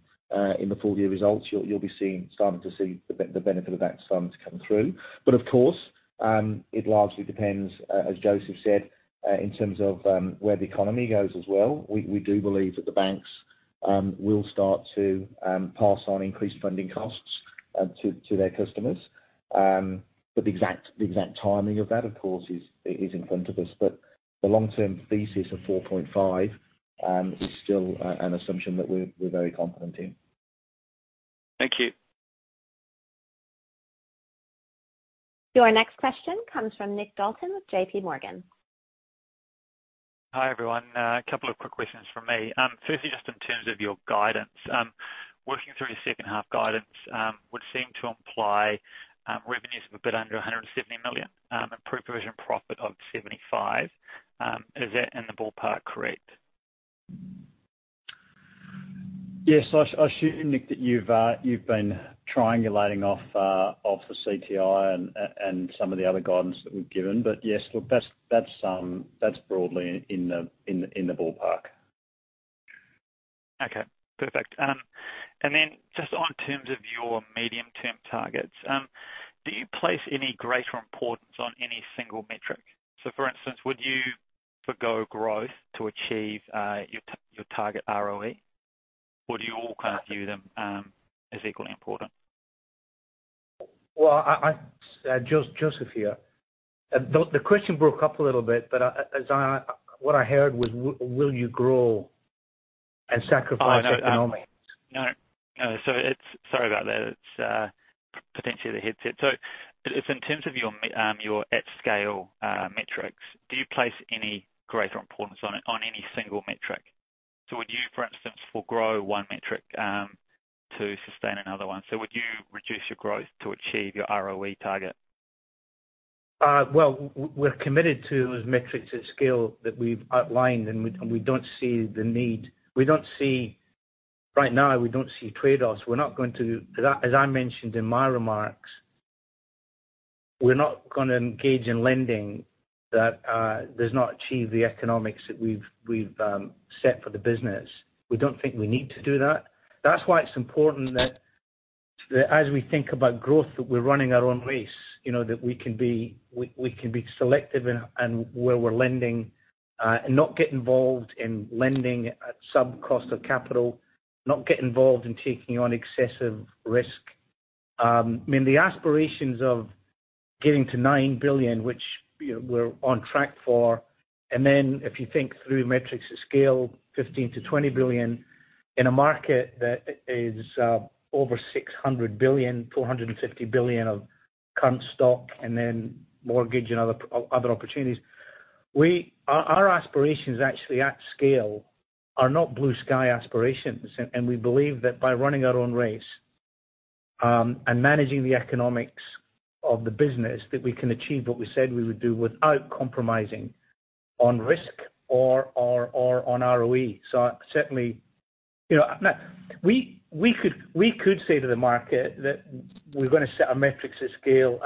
in the full year results, you'll be seeing starting to see the benefit of that sum to come through. Of course, it largely depends, as Joseph said, in terms of where the economy goes as well. We do believe that the banks will start to pass on increased funding costs to their customers. The exact timing of that, of course, is in front of us. The long-term thesis of 4.5 is still an assumption that we're very confident in. Thank you. Your next question comes from Nick Dalton with JPMorgan. Hi, everyone. A couple of quick questions from me. Firstly, just in terms of your guidance. Working through your 2nd half guidance, would seem to imply revenues of a bit under 170 million and pre-provision profit of 75 million. Is that in the ballpark correct? Yes. I assume, Nick, that you've been triangulating off the CTI and some of the other guidance that we've given. Yes, look, that's broadly in the ballpark. Okay. Perfect. Just on terms of your medium-term targets, do you place any greater importance on any single metric? So for instance, would you forego growth to achieve your target ROE? Or do you all kind of view them as equally important? Well, I. Joseph here. The question broke up a little bit, but, as I what I heard was will you grow and sacrifice. Oh, no, definitely. No. No, it's, sorry about that. It's potentially the headset. It's in terms of your at scale metrics, do you place any greater importance on any single metric? Would you, for instance, foregrow one metric to sustain another one? Would you reduce your growth to achieve your ROE target? Well, we're committed to those metrics at scale that we've outlined, we don't see the need. We don't see. Right now, we don't see trade-offs. We're not going to. As I mentioned in my remarks, we're not gonna engage in lending that does not achieve the economics that we've set for the business. We don't think we need to do that. That's why it's important that as we think about growth, that we're running our own race, you know, that we can be selective in where we're lending and not get involved in lending at sub cost of capital, not get involved in taking on excessive risk. I mean, the aspirations of getting to 9 billion, which, you know, we're on track for. Then if you think through metrics at scale, 15 billion-20 billion in a market that is over 600 billion, 450 billion of current stock and then mortgage and other opportunities. Our aspirations actually at scale are not blue sky aspirations. We believe that by running our own race, and managing the economics of the business, that we can achieve what we said we would do without compromising on risk or on ROE. Certainly, you know. We could say to the market that we're gonna set our metrics to scale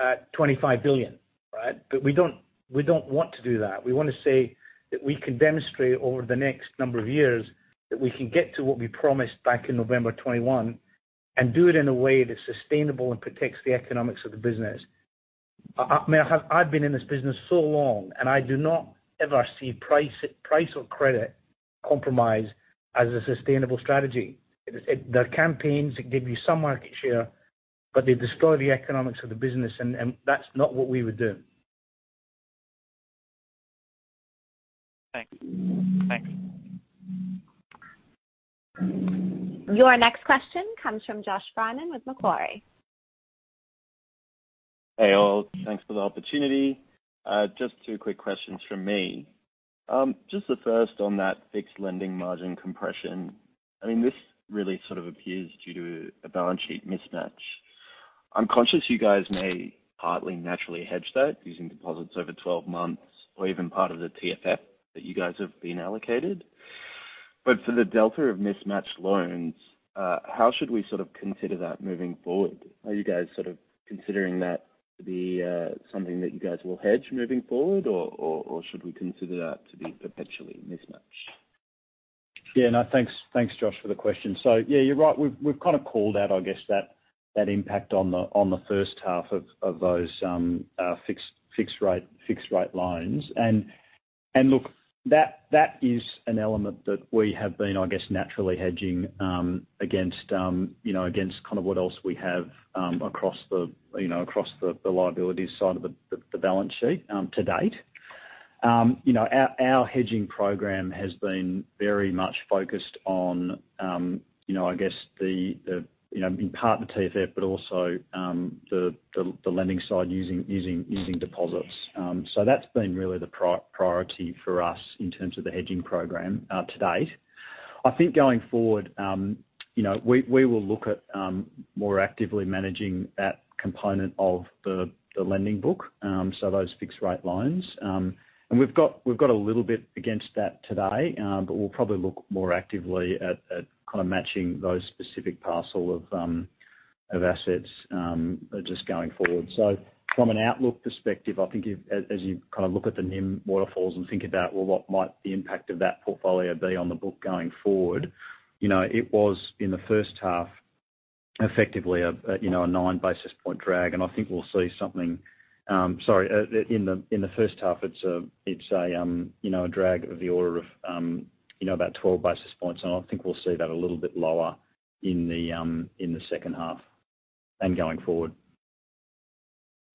at 25 billion, right? We don't, we don't want to do that. We wanna say that we can demonstrate over the next number of years that we can get to what we promised back in November of 2021, and do it in a way that's sustainable and protects the economics of the business. I mean, I've been in this business so long, and I do not ever see price or credit compromise as a sustainable strategy. The campaigns, it give you some market share, but they destroy the economics of the business and that's not what we would do. Thank you. Your next question comes from Josh Freiman with Macquarie. Hey, all. Thanks for the opportunity. Just two quick questions from me. Just the first on that fixed lending margin compression. I mean, this really sort of appears due to a balance sheet mismatch. I'm conscious you guys may partly naturally hedge that using deposits over 12 months or even part of the TFF that you guys have been allocated. For the delta of mismatched loans, how should we sort of consider that moving forward? Are you guys sort of considering that to be something that you guys will hedge moving forward? Should we consider that to be perpetually mismatched? Thanks, Josh, for the question. You're right. We've kind of called out, I guess, that impact on the 1st half of those fixed rate loans. Look, that is an element that we have been, I guess, naturally hedging against, you know, against kind of what else we have across the, you know, across the liability side of the balance sheet to date. You know, our hedging program has been very much focused on, you know, I guess the, you know, in part the TFF, but also the lending side using deposits. That's been really the priority for us in terms of the hedging program to date. I think going forward, you know, we will look at more actively managing that component of the lending book, so those fixed rate loans. We've got a little bit against that today, but we'll probably look more actively at kinda matching those specific parcel of assets just going forward. From an outlook perspective, I think as you kind of look at the NIM waterfalls and think about, well, what might the impact of that portfolio be on the book going forward, you know, it was in the 1st half effectively a, you know, a nine basis point drag, and I think we'll see something. Sorry, in the 1st half, it's a, you know, a drag of the order of, you know, about 12 basis points. I think we'll see that a little bit lower in the 2nd half and going forward.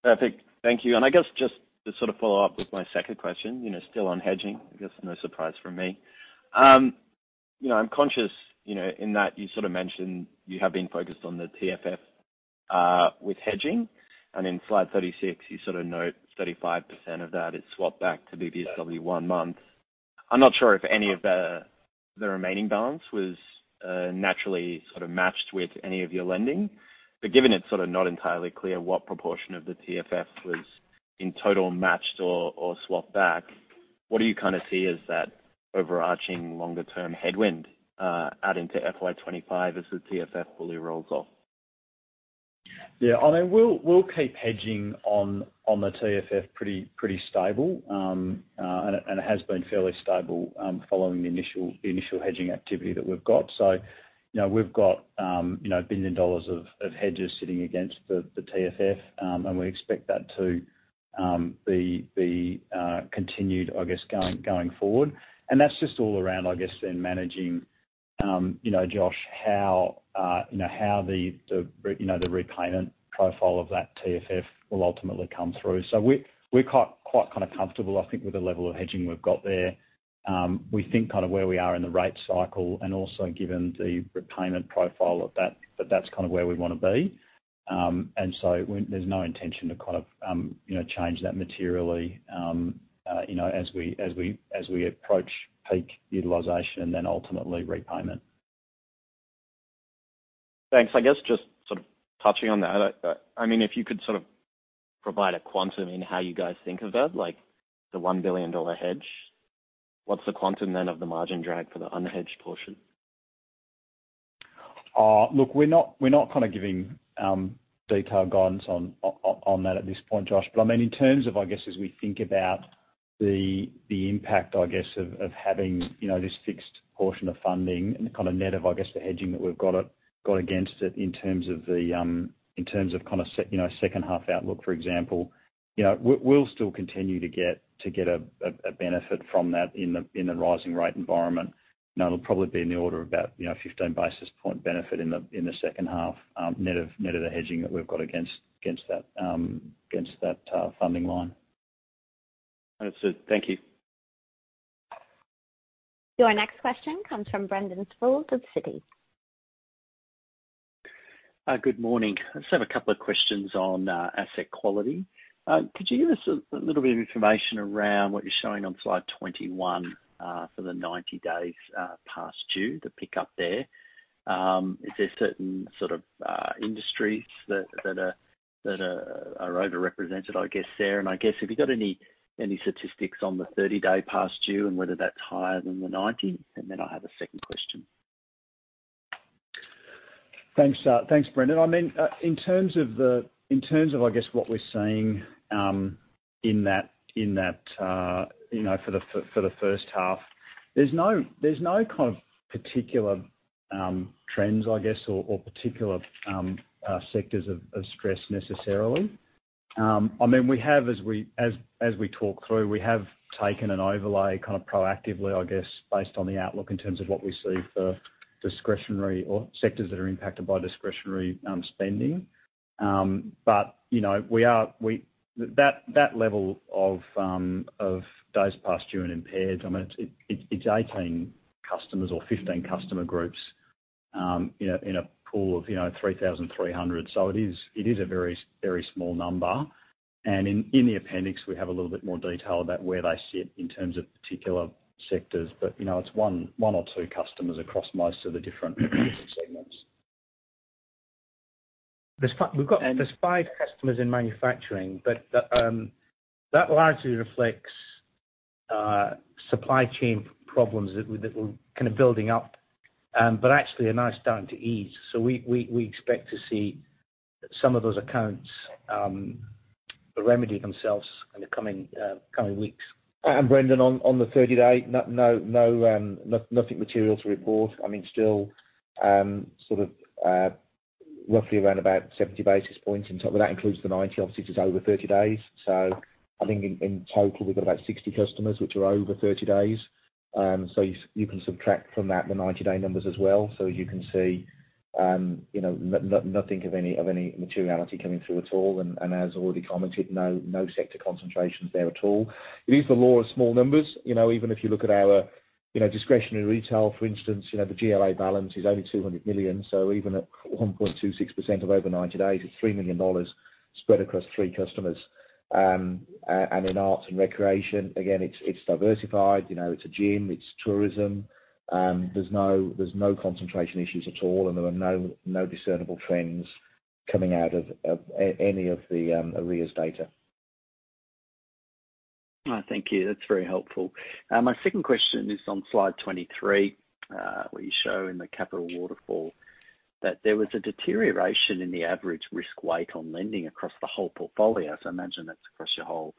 Perfect. Thank you. I guess just to sort of follow up with my second question, you know, still on hedging, I guess no surprise from me. You know, I'm conscious, you know, in that you sort of mentioned you have been focused on the TFF with hedging, and in slide 36 you sort of note 35% of that is swapped back to BBSW one month. I'm not sure if any of the remaining balance was naturally sort of matched with any of your lending. Given it's sort of not entirely clear what proportion of the TFF was in total matched or swapped back, what do you kinda see as that overarching longer term headwind out into FY 2025 as the TFF fully rolls off? I mean, we'll keep hedging on the TFF pretty stable. It has been fairly stable following the initial hedging activity that we've got. You know, we've got 1 billion dollars of hedges sitting against the TFF, and we expect that to be continued, I guess, going forward. That's just all around, I guess, then managing, you know, Josh, how, you know, the repayment profile of that TFF will ultimately come through. We're quite kind of comfortable, I think, with the level of hedging we've got there. We think kind of where we are in the rate cycle and also given the repayment profile of that that's kind of where we wanna be. There's no intention to kind of, you know, change that materially, you know, as we approach peak utilization and then ultimately repayment. Thanks. I guess just sort of touching on that, I mean, if you could sort of provide a quantum in how you guys think of that, like the 1 billion dollar hedge. What's the quantum then of the margin drag for the unhedged portion? Look, we're not kinda giving detailed guidance on that at this point, Josh. I mean, in terms of, I guess, as we think about the impact, I guess, of having, you know, this fixed portion of funding and the kind of net of, I guess, the hedging that we've got against it in terms of the kind of 2nd half outlook, for example, you know, we'll still continue to get a benefit from that in the rising rate environment. It'll probably be in the order of about, you know, 15 basis point benefit in the 2nd half, net of the hedging that we've got against that funding line. That's it. Thank you. Your next question comes from Brendan Sproules of Citi. Good morning. I just have a couple of questions on asset quality. Could you give us a little bit of information around what you're showing on slide 21 for the 90 days past due, the pickup there. Is there certain sort of industries that are overrepresented, I guess, there? I guess, have you got any statistics on the 30-day past due and whether that's higher than the 90? Then I have a second question. Thanks, thanks, Brendan. I mean, in terms of, I guess, what we're seeing, in that, in that, you know, for the 1st half. There's no, there's no kind of particular trends, I guess, or particular sectors of stress necessarily. I mean, we have as we talk through, we have taken an overlay kind of proactively, I guess, based on the outlook in terms of what we see for discretionary or sectors that are impacted by discretionary spending. But, you know, that level of days past due and impaired, I mean, it's 18 customers or 15 customer groups, in a, in a pool of, you know, 3,300. It is a very small number. In the appendix, we have a little bit more detail about where they sit in terms of particular sectors. You know, it's one or two customers across most of the different segments. There's fi- And- There's five customers in manufacturing, but that largely reflects, supply chain problems that were kind of building up. Actually are now starting to ease. We expect to see some of those accounts, remedy themselves in the coming weeks. Brendan on the 30-day, nothing material to report. I mean, still, roughly around about 70 basis points in total. That includes the 90. Obviously, it's over 30 days. I think in total, we've got about 60 customers which are over 30 days. You can subtract from that the 90-day numbers as well. You can see, you know, nothing of any materiality coming through at all. As already commented, no sector concentrations there at all. It is the law of small numbers. You know, even if you look at our, you know, discretionary retail, for instance, you know, the GLA balance is only 200 million. Even at 1.26% of over 90 days is 3 million dollars spread across three customers. In arts and recreation, again, it's diversified. You know, it's a gym, it's tourism. There's no concentration issues at all, and there are no discernible trends coming out of, any of the, arrears data. Thank you. That's very helpful. My second question is on slide 23, where you show in the capital waterfall that there was a deterioration in the average risk weight on lending across the whole portfolio. I imagine that's across your whole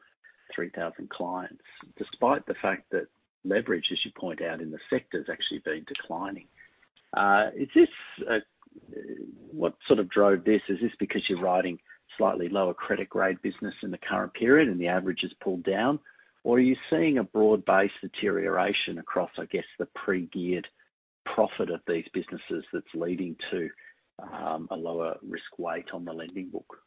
3,000 clients, despite the fact that leverage, as you point out in the sector, has actually been declining. What sort of drove this? Is this because you're riding slightly lower credit grade business in the current period and the average is pulled down? Or are you seeing a broad-based deterioration across, I guess, the pre-geared profit of these businesses that's leading to a lower risk weight on the lending book?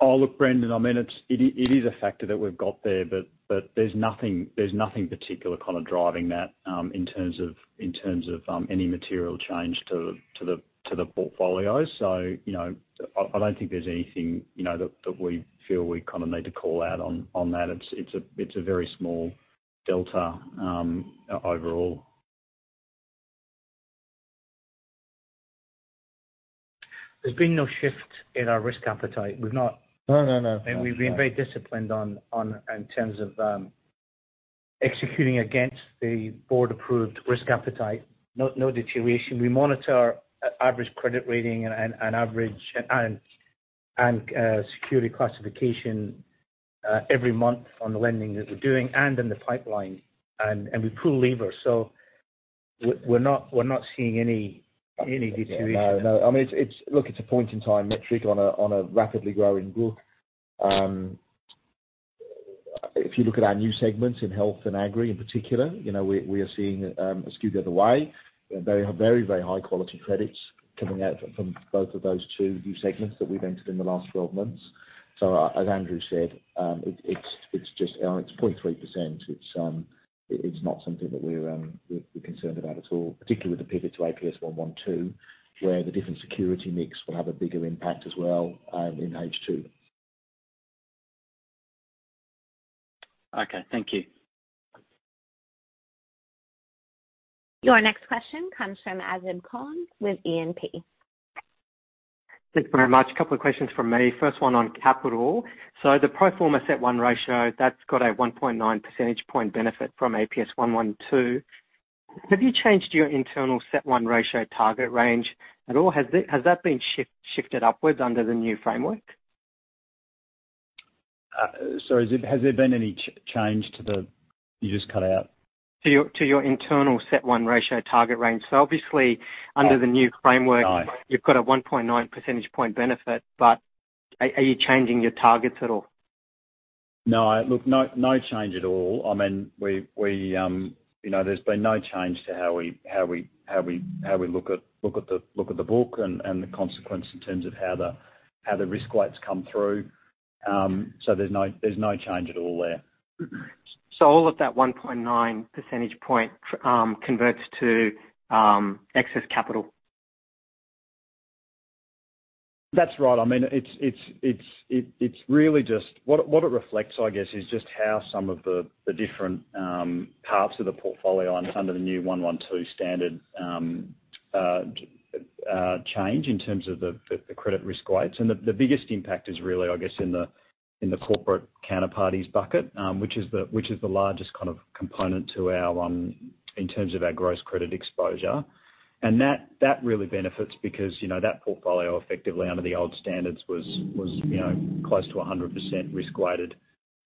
Oh, look, Brendan, I mean, it's, it is a factor that we've got there, but there's nothing particular kind of driving that, in terms of any material change to the portfolio. You know, I don't think there's anything, you know, that we feel we kind of need to call out on that. It's, it's a very small delta, overall. There's been no shift in our risk appetite. No, no. We've been very disciplined on, in terms of, executing against the board-approved risk appetite. No deterioration. We monitor our average credit rating and average and security classification every month on the lending that we're doing and in the pipeline. We pull lever. We're not seeing any deterioration. No, no. I mean, it's. Look, it's a point-in-time metric on a rapidly growing book. If you look at our new segments in health and agri, in particular, you know, we are seeing a skew the other way. Very, very high quality credits coming out from both of those two new segments that we've entered in the last 12 months. As Andrew said, it's just 0.3%. It's not something that we're concerned about at all, particularly with the pivot to APS 112, where the different security mix will have a bigger impact as well in H2. Okay, thank you. Your next question comes from Azib Khan with E&P. Thanks very much. A couple of questions from me. First one on capital. The pro forma CET1 ratio, that's got a 1.9 percentage point benefit from APS 112. Have you changed your internal CET1 ratio target range at all? Has that been shifted upwards under the new framework? Sorry, has there been any change to th, you just cut out. To your internal CET1 ratio target range. Obviously under the new framework. Oh You've got a 1.9 percentage point benefit. Are you changing your targets at all? No. Look, no change at all. I mean, we, you know, there's been no change to how we look at the book and the consequence in terms of how the risk weights come through. There's no change at all there. All of that 1.9 percentage point converts to excess capital. That's right. I mean, it's really just, what it reflects, I guess, is just how some of the different parts of the portfolio and under the new 112 standard change in terms of the credit risk weights. The biggest impact is really, I guess, in the corporate counterparties bucket, which is the largest kind of component to our in terms of our gross credit exposure. That really benefits because, you know, that portfolio effectively under the old standards was, you know, close to 100% risk weighted.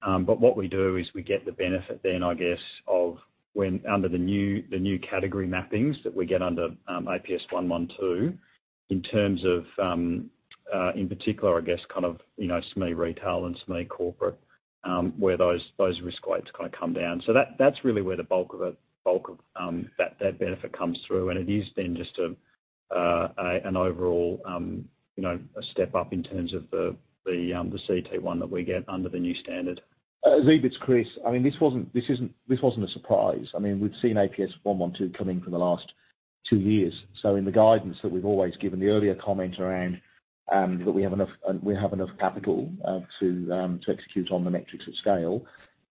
What we do is we get the benefit then, I guess, of when under the new, the new category mappings that we get under APS 112, in terms of in particular, I guess kind of, you know, SME retail and SME corporate, where those risk weights kind of come down. That's really where the bulk of it, that benefit comes through. It is then just a, an overall, you know, a step up in terms of the CET1 that we get under the new standard. Zib, it's Chris. I mean, this wasn't a surprise. I mean, we've seen APS 112 coming for the last two years. In the guidance that we've always given the earlier comment around that we have enough capital to execute on the metrics of scale.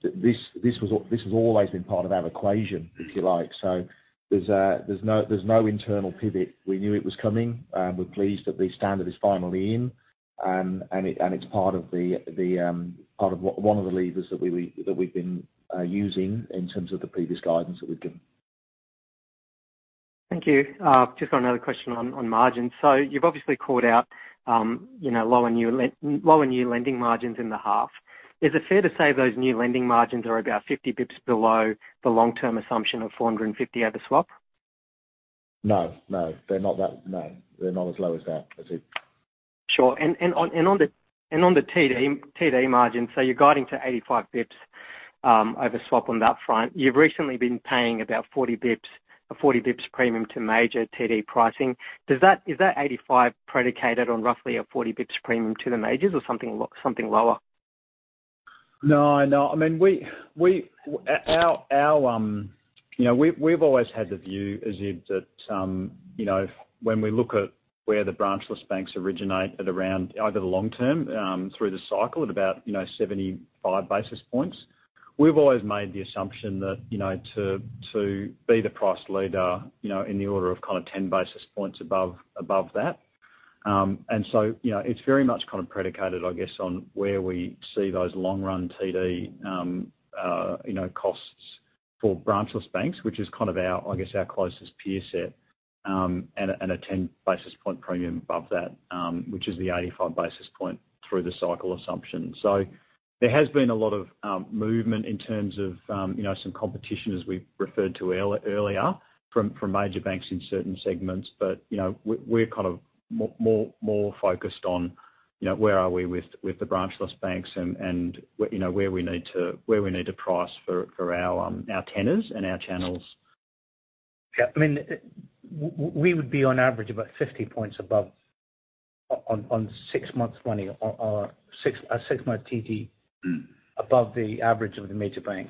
This has always been part of our equation, if you like. There's no, there's no internal pivot. We knew it was coming. We're pleased that the standard is finally in. And it, and it's part of the part of one of the levers that we've been using in terms of the previous guidance that we've given. Thank you. just got another question on margins. You've obviously called out, you know, lower new lending margins in the half. Is it fair to say those new lending margins are about 50 basis points below the long-term assumption of 450 over swap? No, no. They're not that, no. They're not as low as that, Zib. Sure. On the TD margin, so you're guiding to 85 basis points over swap on that front. You've recently been paying about 40 basis points, a 40 basis points premium to major TD pricing. Is that 85 predicated on roughly a 40 basis points premium to the majors or something lower? No, no. I mean, we, our, you know, we've always had the view, Zib, that, you know, when we look at where the branchless banks originate at around either the long term, through the cycle at about, you know, 75 basis points. We've always made the assumption that, you know, to be the price leader, you know, in the order of kinda 10 basis points above that. You know, it's very much kind of predicated, I guess, on where we see those long run TD, you know, costs for branchless banks, which is kind of our, I guess, our closest peer set, and a 10 basis point premium above that, which is the 85 basis point through the cycle assumption. There has been a lot of movement in terms of, you know, some competition as we referred to earlier, from major banks in certain segments. You know, we're kind of more focused on, you know, where are we with the branchless banks and where, you know, where we need to price for our tenors and our channels. Yeah. I mean, we would be on average about 50 points above on 6 months money or a 6-month TD. Mm. Above the average of the major bank.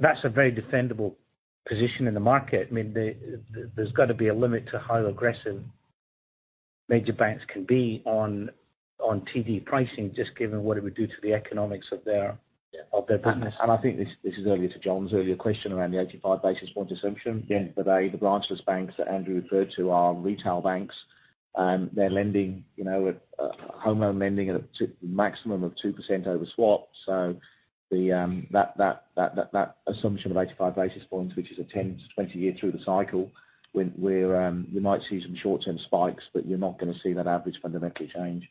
That's a very defendable position in the market. I mean, the, there's gotta be a limit to how aggressive major banks can be on TD pricing, just given what it would do to the economics of their business. I think this is earlier to John's earlier question around the 85 basis point assumption. Yeah. The branchless banks that Andrew referred to are retail banks, and they're lending, you know, home loan lending at a maximum of 2% over swap. That assumption of 85 basis points, which is a 10-20 year through the cycle, when we're, you might see some short-term spikes, but you're not gonna see that average fundamentally change.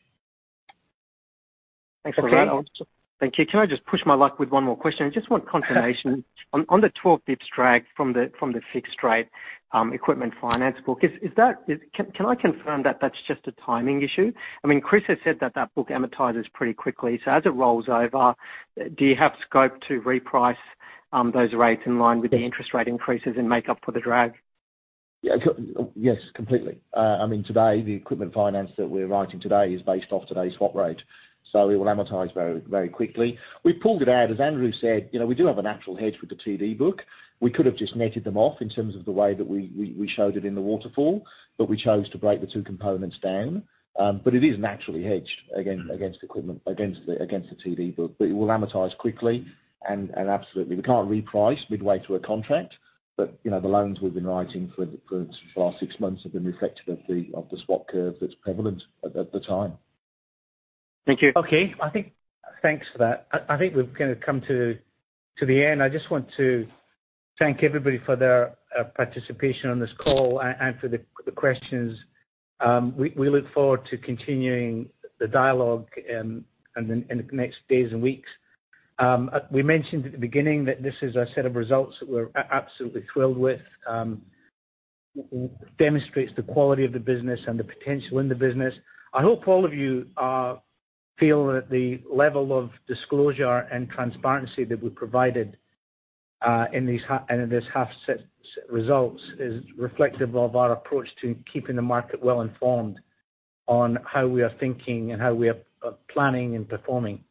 Thanks for that. Okay. Thank you. Can I just push my luck with one more question? I just want confirmation. On the 12 basis points drag from the fixed rate equipment finance book. Can I confirm that that's just a timing issue? I mean, Chris Bayliss has said that that book amortizes pretty quickly. As it rolls over, do you have scope to reprice those rates in line with the interest rate increases and make up for the drag? Yes, completely. I mean, today, the equipment finance that we're writing today is based off today's swap rate, so it will amortize very, very quickly. We pulled it out. As Andrew said, you know, we do have a natural hedge with the TD book. We could have just netted them off in terms of the way that we showed it in the waterfall, but we chose to break the two components down. It is naturally hedged against equipment, against the TD book. It will amortize quickly and absolutely. We can't reprice midway through a contract, but, you know, the loans we've been writing for the last six months have been reflective of the swap curve that's prevalent at the time. Thank you. Okay. Thanks for that. I think we've kinda come to the end. I just want to thank everybody for their participation on this call and for the questions. We look forward to continuing the dialogue in the next days and weeks. We mentioned at the beginning that this is a set of results that we're absolutely thrilled with. Demonstrates the quality of the business and the potential in the business. I hope all of you feel that the level of disclosure and transparency that we provided in these and in this half set results is reflective of our approach to keeping the market well informed on how we are thinking and how we are planning and performing.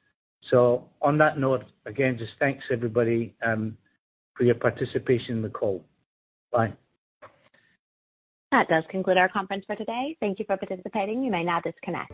On that note, again, just thanks everybody for your participation in the call. Bye. That does conclude our conference for today. Thank you for participating. You may now disconnect.